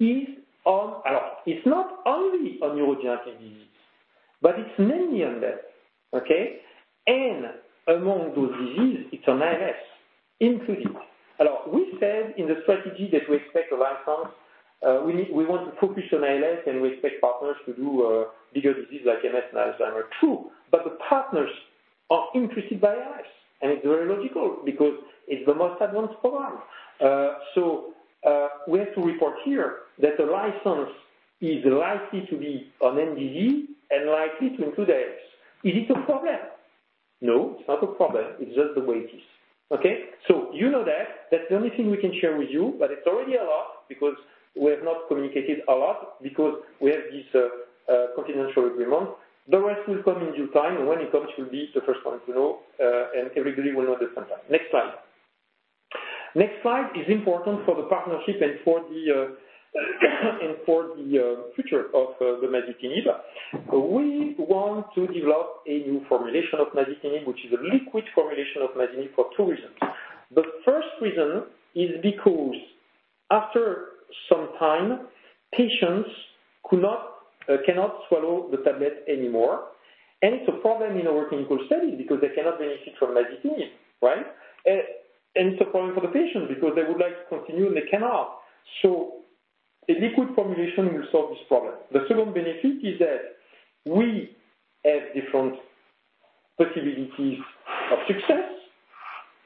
is on alors, it's not only on neurodegenerative diseases, but it's mainly on that. Okay? And among those diseases, it's on ALS included. Alors, we said in the strategy that we expect a license, we want to focus on ALS, and we expect partners to do bigger diseases like MS and Alzheimer's. True. But the partners are interested by ALS. And it's very logical because it's the most advanced program. So we have to report here that the license is likely to be on NDD and likely to include ALS. Is it a problem? No, it's not a problem. It's just the way it is. Okay? So you know that. That's the only thing we can share with you. But it's already a lot because we have not communicated a lot because we have this confidential agreement. The rest will come in due time. And when it comes, it will be the first one to know. And everybody will know at the same time. Next slide. Next slide is important for the partnership and for the future of the masitinib. We want to develop a new formulation of masitinib, which is a liquid formulation of masitinib for two reasons. The first reason is because after some time, patients cannot swallow the tablet anymore. And it's a problem in our clinical studies because they cannot benefit from masitinib. Right? And it's a problem for the patients because they would like to continue, and they cannot. So a liquid formulation will solve this problem. The second benefit is that we have different possibilities of success,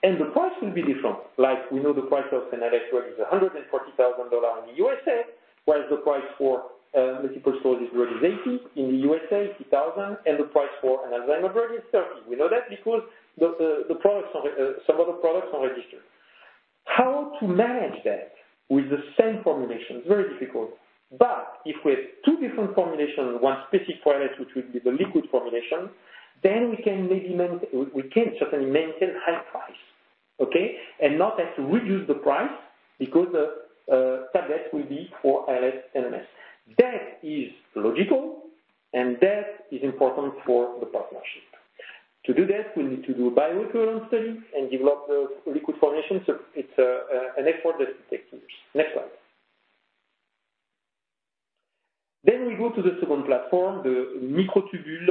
and the price will be different. We know the price of Relyvrio is $140,000 in the USA, whereas the price for a multiple sclerosis drug is $80,000 in the USA. The price for an Alzheimer's drug is $30,000. We know that because some of the products are registered. How to manage that with the same formulation is very difficult. But if we have two different formulations, one specific for ALS, which would be the liquid formulation, then we can maybe certainly maintain high price. Okay? And not have to reduce the price because the tablet will be for ALS and MS. That is logical, and that is important for the partnership. To do that, we need to do a bioequivalence study and develop the liquid formulation. So it's an effort that takes years. Next slide. Then we go to the second platform, the microtubule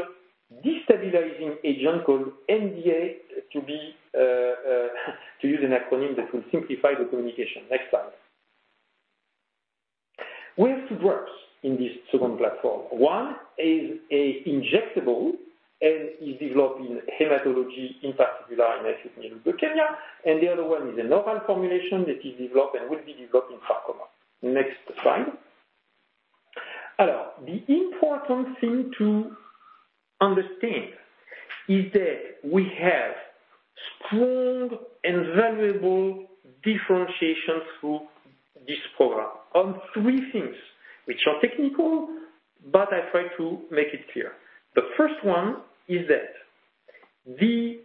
destabilizing agent called MDA, to use an acronym that will simplify the communication. Next slide. We have two drugs in this second platform. One is an injectable and is developed in hematology, in particular in acute myeloid leukemia. The other one is an oral formulation that is developed and will be developed in oncology. Next slide. The important thing to understand is that we have strong and valuable differentiations through this program on three things, which are technical, but I try to make it clear. The first one is that the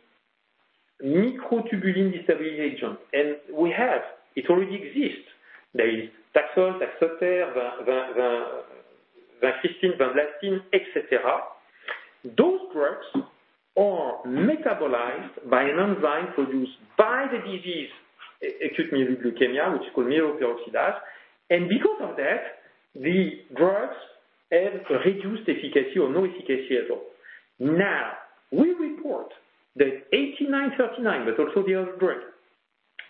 microtubule destabilizing agent, and we have, it already exists. There is Taxol, Taxotere, vincristine, vinblastine, etc. Those drugs are metabolized by an enzyme produced by the disease acute myeloid leukemia, which is called myeloperoxidase. Because of that, the drugs have reduced efficacy or no efficacy at all. Now, we report that 8939, but also the other drug,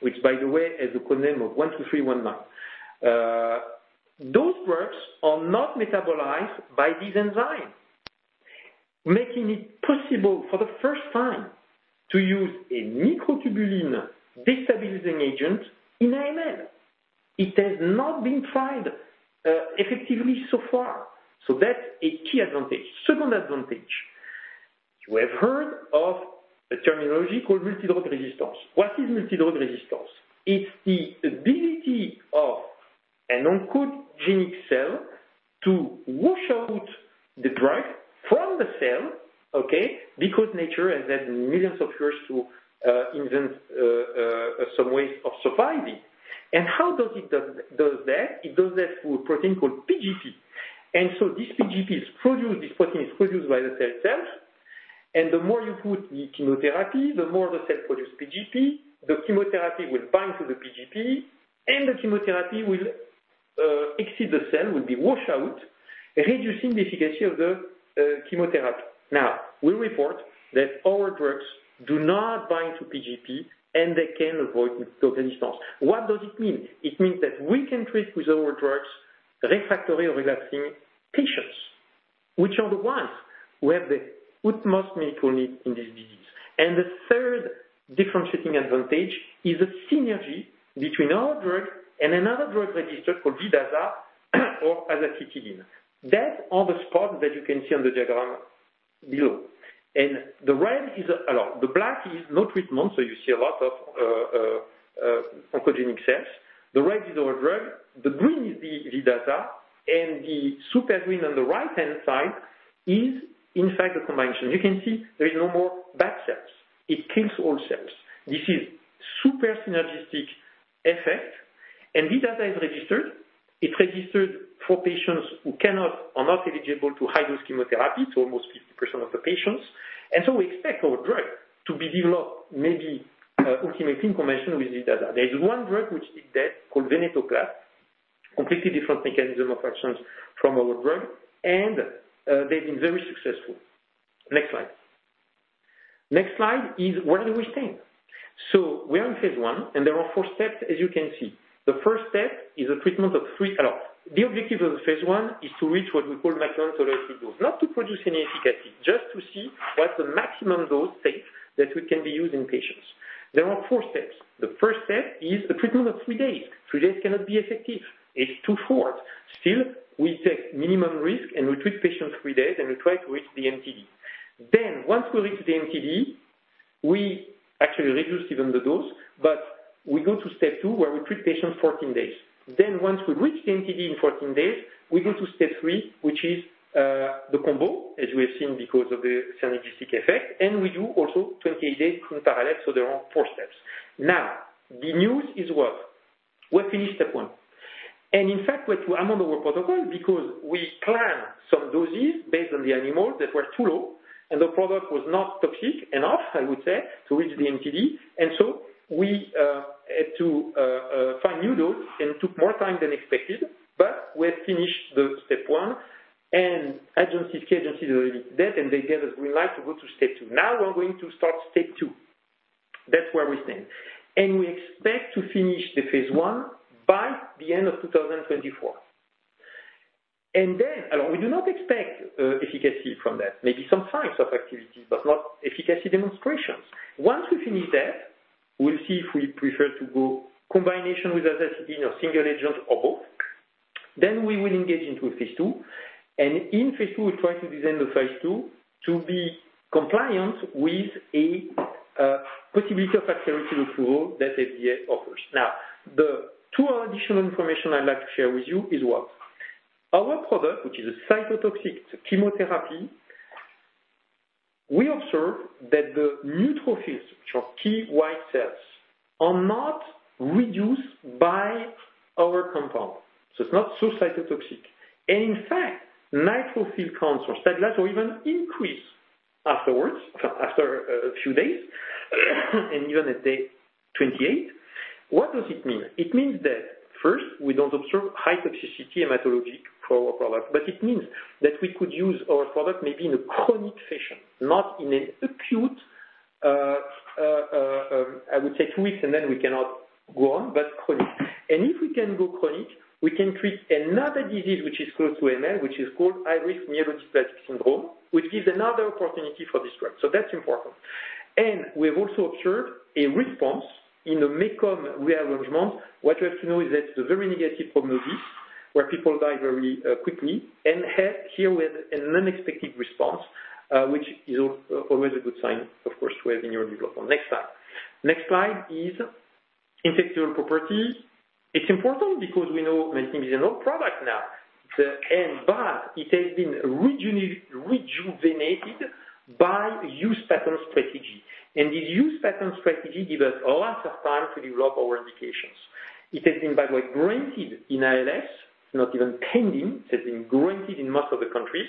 which, by the way, has the code name of 12319, those drugs are not metabolized by this enzyme, making it possible for the first time to use a microtubule destabilizing agent in AML. It has not been tried effectively so far. So that's a key advantage. Second advantage, you have heard of a terminology called multidrug resistance. What is multidrug resistance? It's the ability of an oncogenic cell to wash out the drug from the cell because nature has had millions of years to invent some ways of surviving. And how does it does that? It does that through a protein called P-gp. And so this P-gp is produced this protein is produced by the cell itself. And the more you put the chemotherapy, the more the cell produces P-gp. The chemotherapy will bind to the P-gp, and the chemotherapy will exit the cell, will be washed out, reducing the efficacy of the chemotherapy. Now, we report that our drugs do not bind to P-gp, and they can avoid drug resistance. What does it mean? It means that we can treat with our drugs refractory or relapsing patients, which are the ones who have the utmost medical need in this disease. And the third differentiating advantage is the synergy between our drug and another drug registered called Vidaza or azacitidine. That's on the spot that you can see on the diagram below. And the red is, the black is no treatment. So you see a lot of oncogenic cells. The red is our drug. The green is the Vidaza. And the super green on the right-hand side is, in fact, a combination. You can see there is no more bad cells. It kills all cells. This is super synergistic effect. Vidaza is registered. It's registered for patients who are not eligible to high-dose chemotherapy. It's almost 50% of the patients. So we expect our drug to be developed maybe ultimately in combination with Vidaza. There is one drug which did that called venetoclax, completely different mechanism of action from our drug. They've been very successful. Next slide. Next slide is where do we stand? We are in phase 1, and there are four steps, as you can see. The first step is a treatment of three patients, the objective of the phase 1 is to reach what we call maximum tolerated dose, not to produce any efficacy, just to see what the maximum dose takes that can be used in patients. There are four steps. The first step is a treatment of three days. Three days cannot be effective. It's too short. Still, we take minimum risk, and we treat patients three days, and we try to reach the NTD. Then once we reach the NTD, we actually reduce even the dose. But we go to step two where we treat patients 14 days. Then once we reach the NTD in 14 days, we go to step three, which is the combo, as we have seen because of the synergistic effect. And we do also 28 days in parallel. So there are four steps. Now, the news is what? We've finished step one. And in fact, I'm on our protocol because we plan some doses based on the animal that were too low. And the product was not toxic enough, I would say, to reach the NTD. And so we had to find new dose and took more time than expected. But we have finished step one. And agencies, key agencies, already did that. And they gave us green light to go to step two. Now, we're going to start step two. That's where we stand. And we expect to finish the phase 1 by the end of 2024. And then, alors, we do not expect efficacy from that, maybe some signs of activity, but not efficacy demonstrations. Once we finish that, we'll see if we prefer to go combination with azacitidine or single agent or both. Then we will engage into phase 2. And in phase 2, we'll try to design the phase 2 to be compliant with a possibility of fast track approval that FDA offers. Now, the two additional information I'd like to share with you is what? Our product, which is a cytotoxic, it's a chemotherapy. We observe that the neutrophils, which are key white cells, are not reduced by our compound. So it's not so cytotoxic. And in fact, neutrophil counts are stabilized or even increased afterwards, after a few days, and even at day 28. What does it mean? It means that first, we don't observe high toxicity hematologic for our product. But it means that we could use our product maybe in a chronic fashion, not in an acute, I would say, two weeks, and then we cannot go on, but chronic. And if we can go chronic, we can treat another disease which is close to AML, which is called high-risk myelodysplastic syndrome, which gives another opportunity for this drug. So that's important. And we have also observed a response in the MECOM rearrangement. What you have to know is that it's a very negative prognosis where people die very quickly. And here, we had an unexpected response, which is always a good sign, of course, to have in your development. Next slide. Next slide is intellectual property. It's important because we know masitinib is an old product now. But it has been rejuvenated by use patent strategy. And this use patent strategy gives us a lot of time to develop our indications. It has been, by the way, granted in ALS. It's not even pending. It has been granted in most of the countries.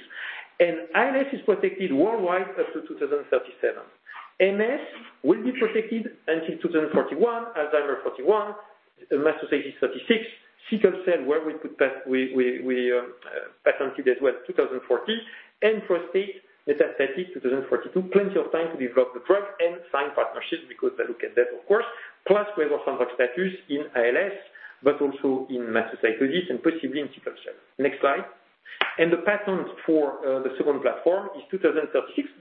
And ALS is protected worldwide up to 2037. MS will be protected until 2041, Alzheimer's 2041, mastocytosis 2036, sickle cell, where we patented as well, 2040, and prostate, metastatic, 2042. Plenty of time to develop the drug and sign partnerships because they look at that, of course. Plus, we have a fundraise status in ALS, but also in mastocytosis and possibly in sickle cell. Next slide. And the patent for the second platform is 2036.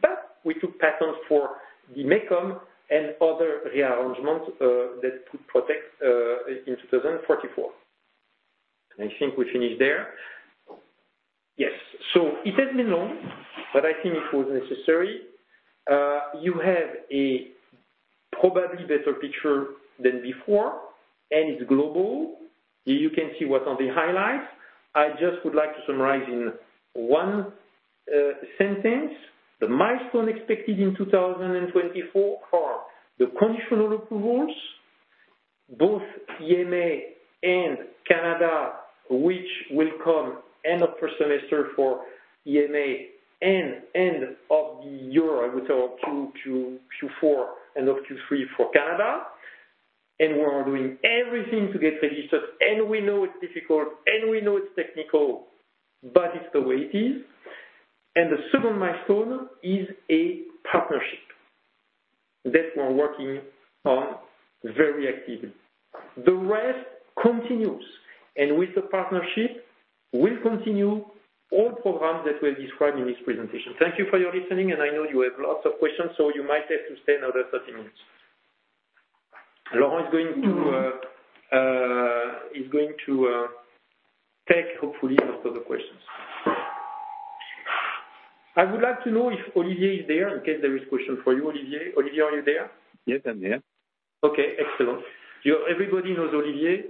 But we took patents for the MECOM and other rearrangements that could protect in 2044. And I think we finished there. Yes. So it has been long, but I think it was necessary. You have a probably better picture than before. And it's global. You can see what's on the highlights. I just would like to summarize in one sentence the milestone expected in 2024 for the conditional approvals, both EMA and Canada, which will come end of first semester for EMA and end of the year, I would say, or Q4, end of Q3 for Canada. And we are doing everything to get registered. And we know it's difficult. And we know it's technical. But it's the way it is. And the second milestone is a partnership that we're working on very actively. The rest continues. And with the partnership, we'll continue all programs that were described in this presentation. Thank you for your listening. And I know you have lots of questions. So you might have to stay another 30 minutes. Laurent is going to take, hopefully, most of the questions. I would like to know if Olivier is there in case there is a question for you, Olivier. Olivier, are you there? Yes, I'm here. Okay. Excellent. Everybody knows Olivier.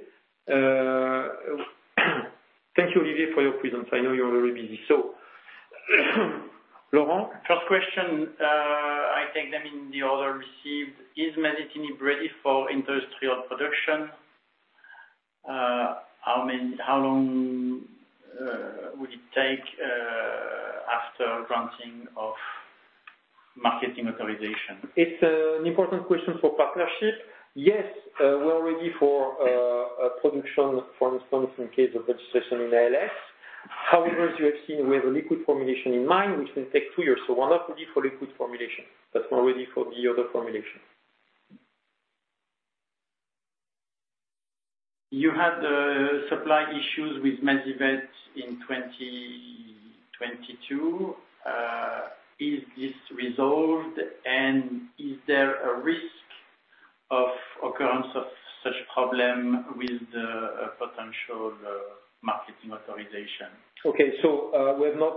Thank you, Olivier, for your presence. I know you're very busy. So Laurent, first question, I take them in the order received. Is masitinib ready for industrial production? How long will it take after granting of marketing authorization? It's an important question for partnership. Yes, we're ready for production, for instance, in case of registration in ALS. However, as you have seen, we have a liquid formulation in mind, which will take two years. So we're not ready for liquid formulation. But we're ready for the other formulation. You had supply issues with Masivet in 2022. Is this resolved? And is there a risk of occurrence of such a problem with the potential marketing authorization? Okay. So we have not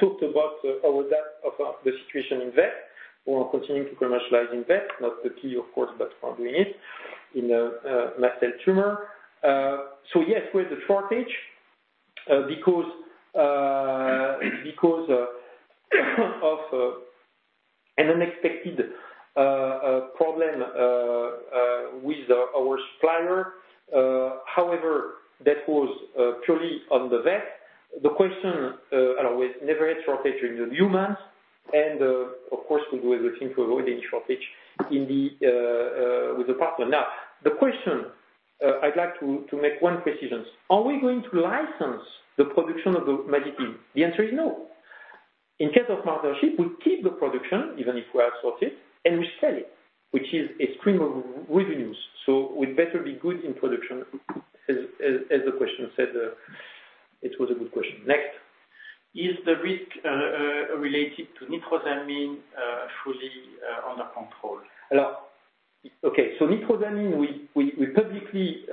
talked about all of that of the situation in Vet. We are continuing to commercialize in Vet, not the key, of course, but we are doing it in mast cell tumor. So yes, we have the shortage because of an unexpected problem with our supplier. However, that was purely on the Vet. The question, we never had shortage in humans. And of course, we'll do everything to avoid any shortage with the partner. Now, the question, I'd like to make one precision. Are we going to license the production of the masitinib? The answer is no. In case of partnership, we keep the production even if we have sourced it, and we sell it, which is a stream of revenues. So we'd better be good in production, as the question said. It was a good question. Next. Is the risk related to nitrosamine fully under control? Okay. So nitrosamine, we publicly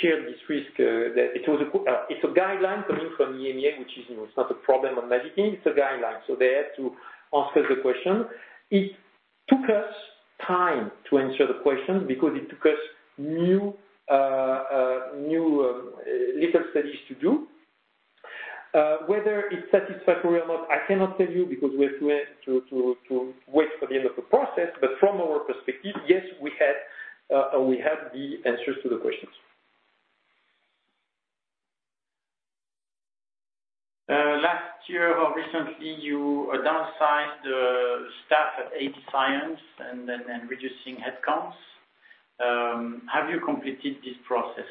shared this risk that it was a guideline coming from EMEA, which is new. It's not a problem on masitinib. It's a guideline. So they have to answer the question. It took us time to answer the question because it took us new little studies to do. Whether it's satisfactory or not, I cannot tell you because we have to wait for the end of the process. But from our perspective, yes, we had the answers to the questions. Last year or recently, you downsized the staff at AB Science and then reducing headcounts. Have you completed this process?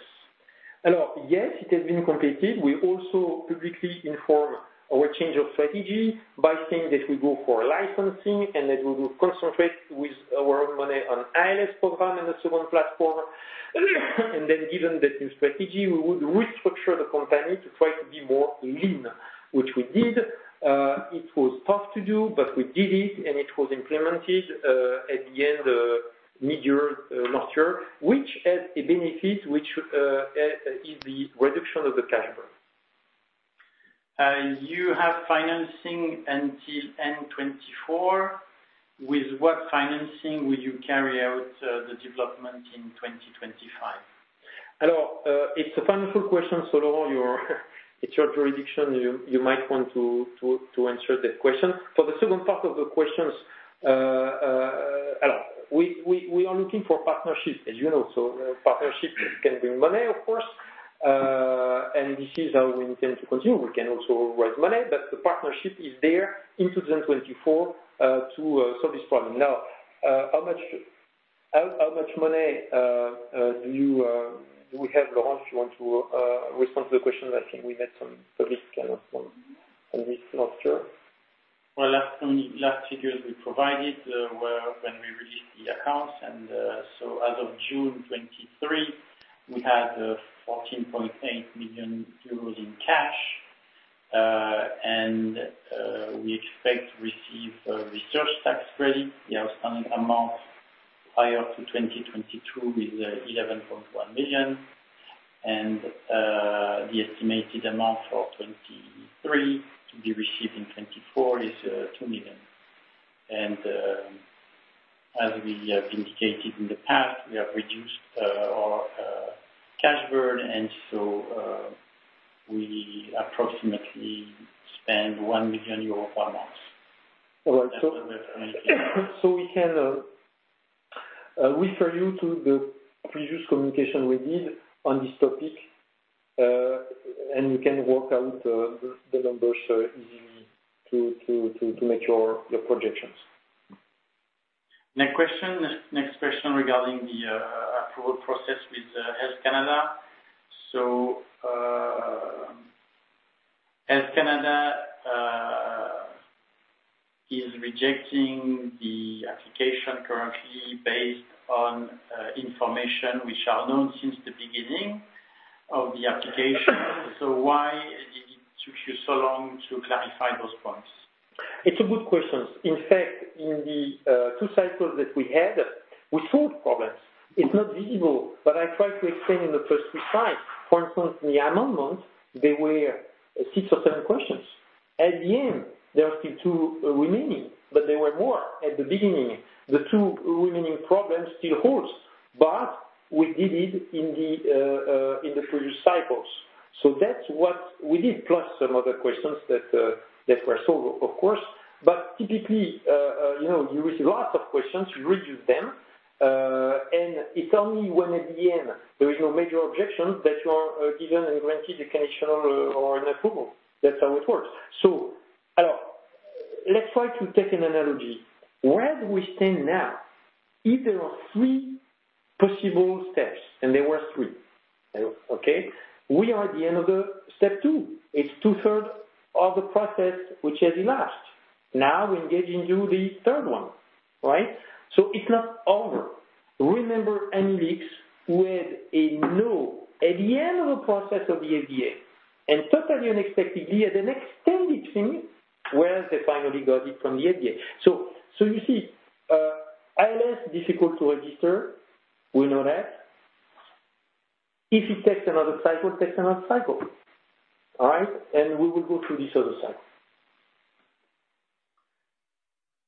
Yes, it has been completed. We also publicly inform our change of strategy by saying that we go for licensing and that we will concentrate with our own money on ALS program and the second platform. And then given that new strategy, we would restructure the company to try to be more lean, which we did. It was tough to do, but we did it. And it was implemented at the end of mid-year last year, which has a benefit, which is the reduction of the cash burden. You have financing until end 2024. With what financing will you carry out the development in 2025? It's a wonderful question. So Laurent, it's your jurisdiction. You might want to answer that question. For the second part of the questions, we are looking for partnerships, as you know. So partnerships can bring money, of course. And this is how we intend to continue. We can also raise money. But the partnership is there in 2024 to solve this problem. Now, how much money do we have, Laurent, if you want to respond to the question? I think we met some public announcements on this last year. Well, last figures we provided were when we released the accounts. As of June 23, we had 14.8 million euros in cash. We expect to receive research tax credit. The outstanding amount prior to 2022 is 11.1 million. The estimated amount for 2023 to be received in 2024 is 2 million. As we have indicated in the past, we have reduced our cash burden. We approximately spend 1 million euro per month. All right. We can refer you to the previous communication we did on this topic. You can work out the numbers easily to make your projections. Next question regarding the approval process with Health Canada. Health Canada is rejecting the application currently based on information which are known since the beginning of the application. Why did it took you so long to clarify those points? It's a good question. In fact, in the two cycles that we had, we solved problems. It's not visible. But I tried to explain in the first three slides. For instance, in the amendment, there were six or seven questions. At the end, there are still two remaining. But there were more at the beginning. The two remaining problems still hold. But we did it in the previous cycles. So that's what we did, plus some other questions that were solved, of course. But typically, you receive lots of questions. You reduce them. It's only when at the end there is no major objection that you are given and granted the conditional or an approval. That's how it works. So, let's try to take an analogy. Where do we stand now? If there are three possible steps, and there were three, okay, we are at the end of step two. It's two-thirds of the process, which has elapsed. Now, we engage into the third one, right? So it's not over. Remember, Amylyx we had a no at the end of the process of the FDA, and totally unexpectedly, had an extended thing where they finally got it from the FDA. So you see, ALS, difficult to register. We know that. If it takes another cycle, it takes another cycle, all right? And we will go through this other cycle.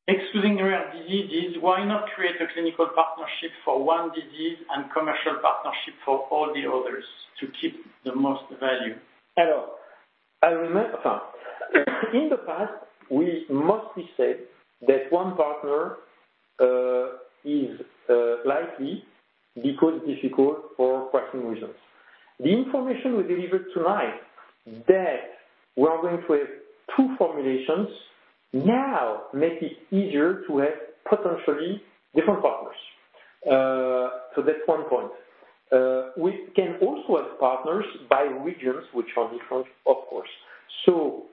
Excusing the real diseases, why not create a clinical partnership for one disease and commercial partnership for all the others to keep the most value? Alors, in the past, we mostly said that one partner is likely because it's difficult for pricing reasons. The information we delivered tonight that we are going to have two formulations now makes it easier to have potentially different partners. So that's one point. We can also have partners by regions, which are different, of course. So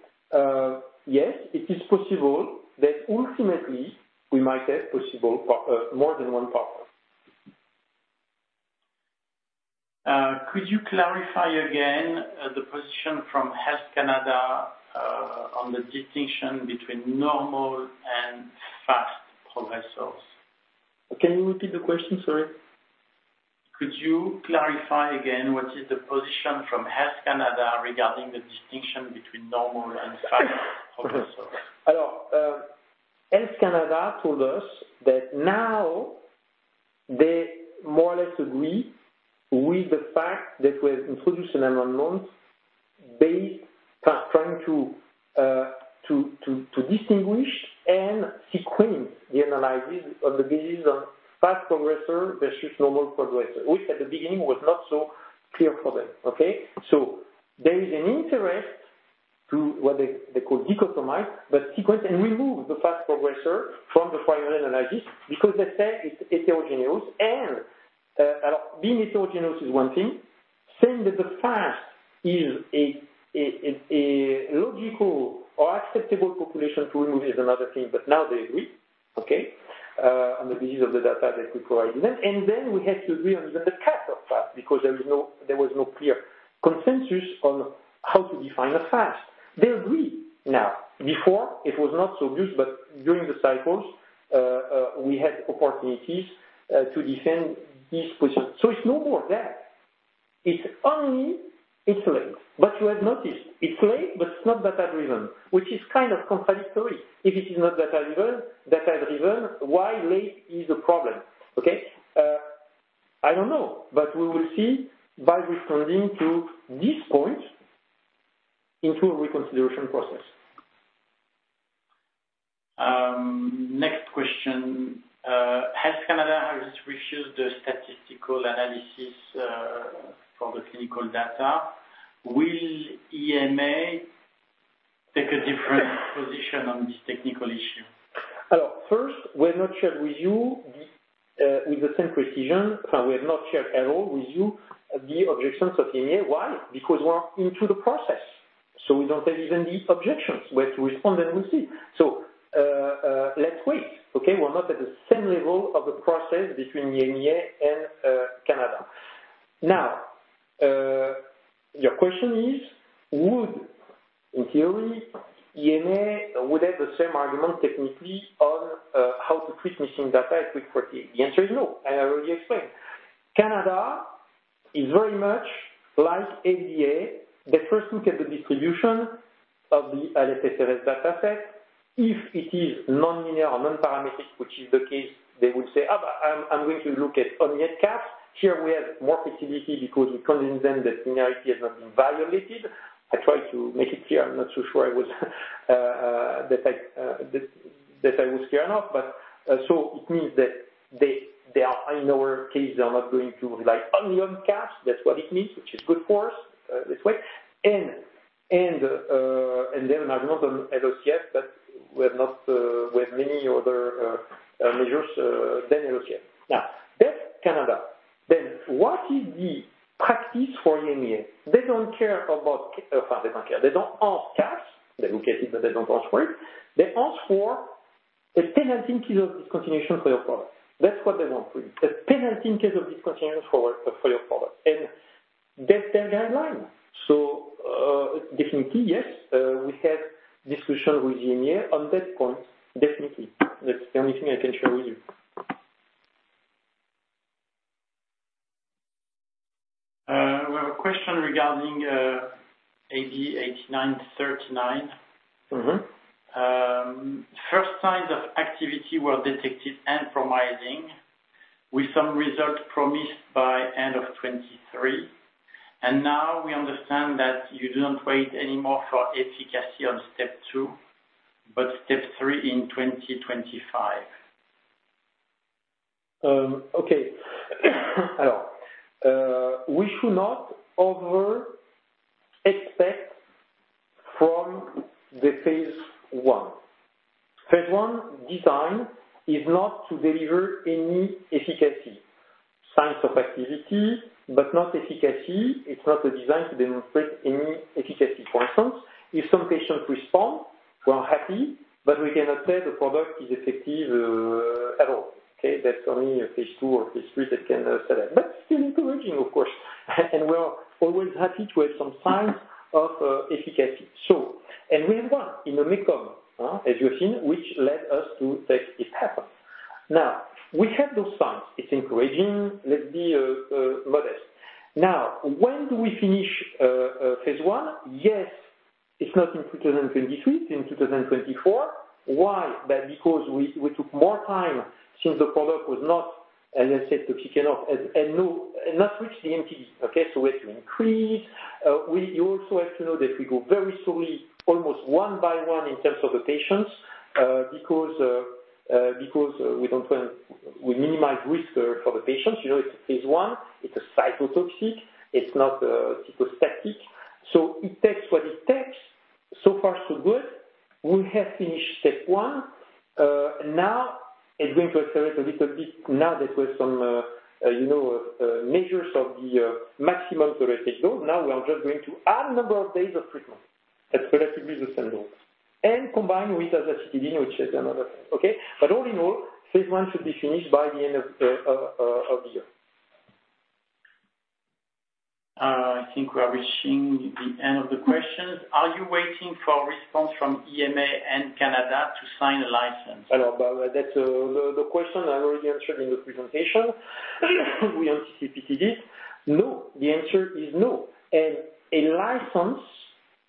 yes, it is possible that ultimately, we might have more than one partner. Could you clarify again the position from Health Canada on the distinction between normal and fast progressors? Can you repeat the question? Sorry. Could you clarify again what is the position from Health Canada regarding the distinction between normal and fast progressors? Health Canada told us that now they more or less agree with the fact that we have introduced an amendment trying to distinguish and sequence the analysis on the basis of fast progressor versus normal progressor, which at the beginning was not so clear for them, okay? So there is an interest to what they call dichotomize but sequence and remove the fast progressor from the primary analysis because they say it's heterogeneous. And, being heterogeneous is one thing. Saying that the fast is a logical or acceptable population to remove is another thing. But now they agree, okay, on the basis of the data that we provide to them. And then we have to agree on even the cut of fast because there was no clear consensus on how to define a fast. They agree now. Before, it was not so good. But during the cycles, we had opportunities to defend this position. So it's no more that. It's only it's late. But you have noticed, it's late, but it's not data-driven, which is kind of contradictory. If it is not data-driven, why late is a problem, okay? I don't know. But we will see by responding to this point into a reconsideration process. Next question. Health Canada has refused the statistical analysis for the clinical data. Will EMA take a different position on this technical issue? First, we have not shared with you with the same precision. We have not shared at all with you the objections of EMA. Why? Because we are into the process. So we don't have even the objections. We have to respond and we'll see. Let's wait, okay? We're not at the same level of the process between EMA and Canada. Now, your question is, in theory, EMA would have the same argument technically on how to treat missing data at cut points. The answer is no. I already explained. Canada is very much like FDA. They first look at the distribution of the LSFRS dataset. If it is nonlinear or nonparametric, which is the case, they would say, "Oh, but I'm going to look at only at CAPS." Here, we have more flexibility because we convinced them that linearity has not been violated. I tried to make it clear. I'm not so sure I was that I was clear enough. But so it means that in our case, they are not going to rely only on CAPS. That's what it means, which is good for us this way. And they have an argument on LOCF, but we have many other measures than LOCF. Now, that's Canada. Then what is the practice for EMEA? They don't care about enfin, they don't care. They don't ask CAPS. They look at it, but they don't ask for it. They ask for a penalty in case of discontinuation for your product. That's what they want for you. A penalty in case of discontinuation for your product. And that's their guideline. So definitely, yes, we have discussion with EMEA on that point. Definitely. That's the only thing I can share with you. We have a question regarding AB8939. First signs of activity were detected compromising with some results promised by end of 2023. Now we understand that you do not wait anymore for efficacy on step two, but step three in 2025. Okay. we should not over-expect from phase one. Phase one design is not to deliver any efficacy. Signs of activity, but not efficacy. It's not a design to demonstrate any efficacy. For instance, if some patient respond, we are happy. But we cannot say the product is effective at all, okay? That's only phase two or phase three that can say that. But still encouraging, of course. And we are always happy to have some signs of efficacy. And we have one in the MECOM, as you have seen, which led us to take it happen. Now, we have those signs. It's encouraging. Let's be modest. Now, when do we finish phase one? Yes, it's not in 2023. It's in 2024. Why? Because we took more time since the product was not, as I said, to kick enough and not reach the MTD, okay? So we had to increase. You also have to know that we go very slowly, almost one by one in terms of the patients because we minimize risk for the patients. It's a phase 1. It's a cytotoxic. It's not cytostatic. So it takes what it takes. So far, so good. We have finished step one. Now, it's going to accelerate a little bit now that we have some measures of the maximum tolerated dose. Now, we are just going to add a number of days of treatment. That's relatively the same dose and combine with azacitidine, which is another thing, okay? But all in all, phase 1 should be finished by the end of the year. I think we are reaching the end of the questions. Are you waiting for response from EMA and Canada to sign a license? That's the question I already answered in the presentation. We anticipated it. No, the answer is no. And a license,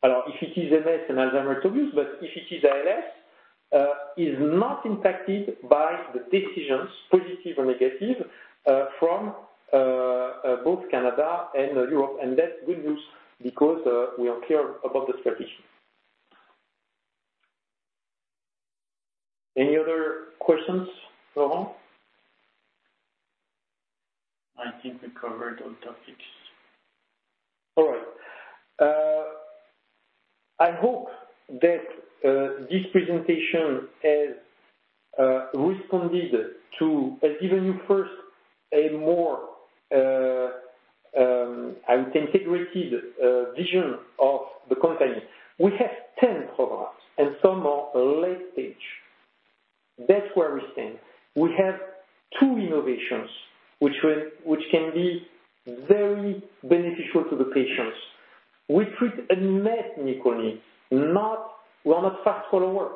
if it is MS and Alzheimer's obvious. But if it is ALS, is not impacted by the decisions, positive or negative, from both Canada and Europe. And that's good news because we are clear about the strategy. Any other questions, Laurent? I think we covered all topics. All right. I hope that this presentation has given you first a more, I would say, integrated vision of the company. We have 10 programs. Some are late stage. That's where we stand. We have two innovations, which can be very beneficial to the patients. We treat a medical need. We are not fast follower.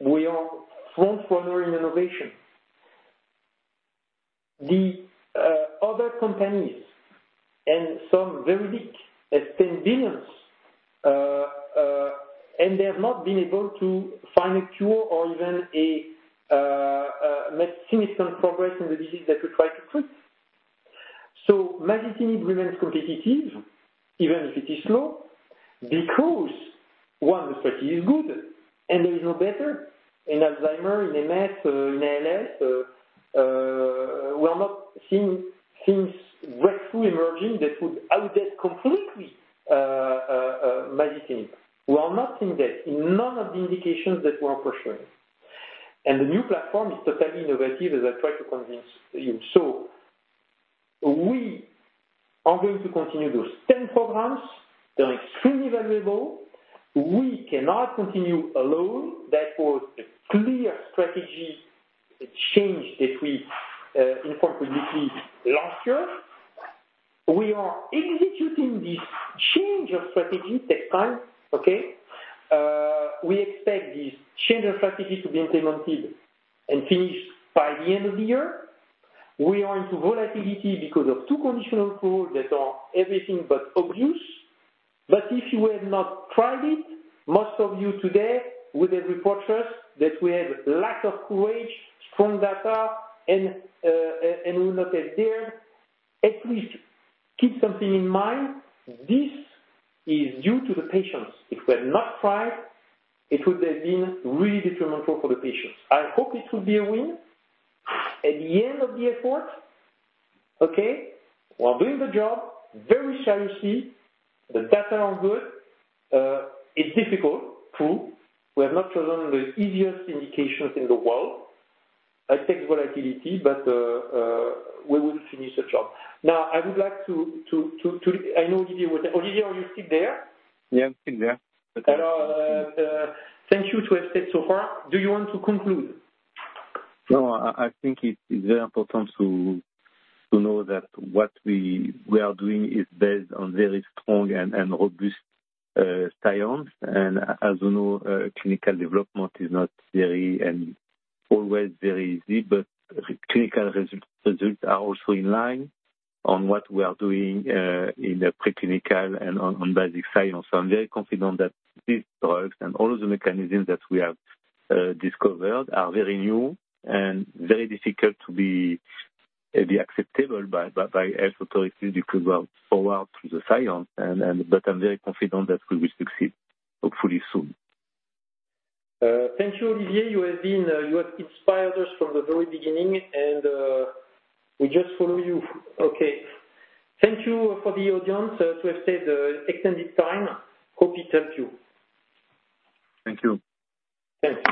We are front-runner in innovation. The other companies and some very big have spent billions. And they have not been able to find a cure or even make significant progress in the disease that we try to treat. So masitinib remains competitive, even if it is slow, because, one, the strategy is good. And there is no better in Alzheimer's, in MS, in ALS. We are not seeing things breakthrough emerging that would outdo completely masitinib. We are not seeing that in none of the indications that we are pursuing. The new platform is totally innovative, as I tried to convince you. We are going to continue those 10 programs. They are extremely valuable. We cannot continue alone. That was a clear strategy change that we informed publicly last year. We are executing this change of strategy next time, okay? We expect this change of strategy to be implemented and finished by the end of the year. We are into volatility because of two conditional rules that are everything but obvious. If you have not tried it, most of you today would have reported to us that we have lack of courage, strong data, and we will not have dared. At least keep something in mind. This is due to the patients. If we had not tried, it would have been really detrimental for the patients. I hope it will be a win at the end of the effort, okay? We are doing the job very seriously. The data are good. It's difficult, true. We have not chosen the easiest indications in the world. It takes volatility, but we will finish the job. Now, I would like to. I know Olivier was there. Olivier, are you still there? Yeah, I'm still there. Alors, thank you to have stayed so far. Do you want to conclude? No, I think it's very important to know that what we are doing is based on very strong and robust science. And as you know, clinical development is not always very easy. But clinical results are also in line on what we are doing in preclinical and on basic science. So I'm very confident that these drugs and all of the mechanisms that we have discovered are very new and very difficult to be acceptable by health authorities because we are far out through the science. But I'm very confident that we will succeed, hopefully, soon. Thank you, Olivier. You have inspired us from the very beginning. We just follow you, okay? Thank you for the audience to have stayed extended time. Hope it helped you. Thank you. Thanks.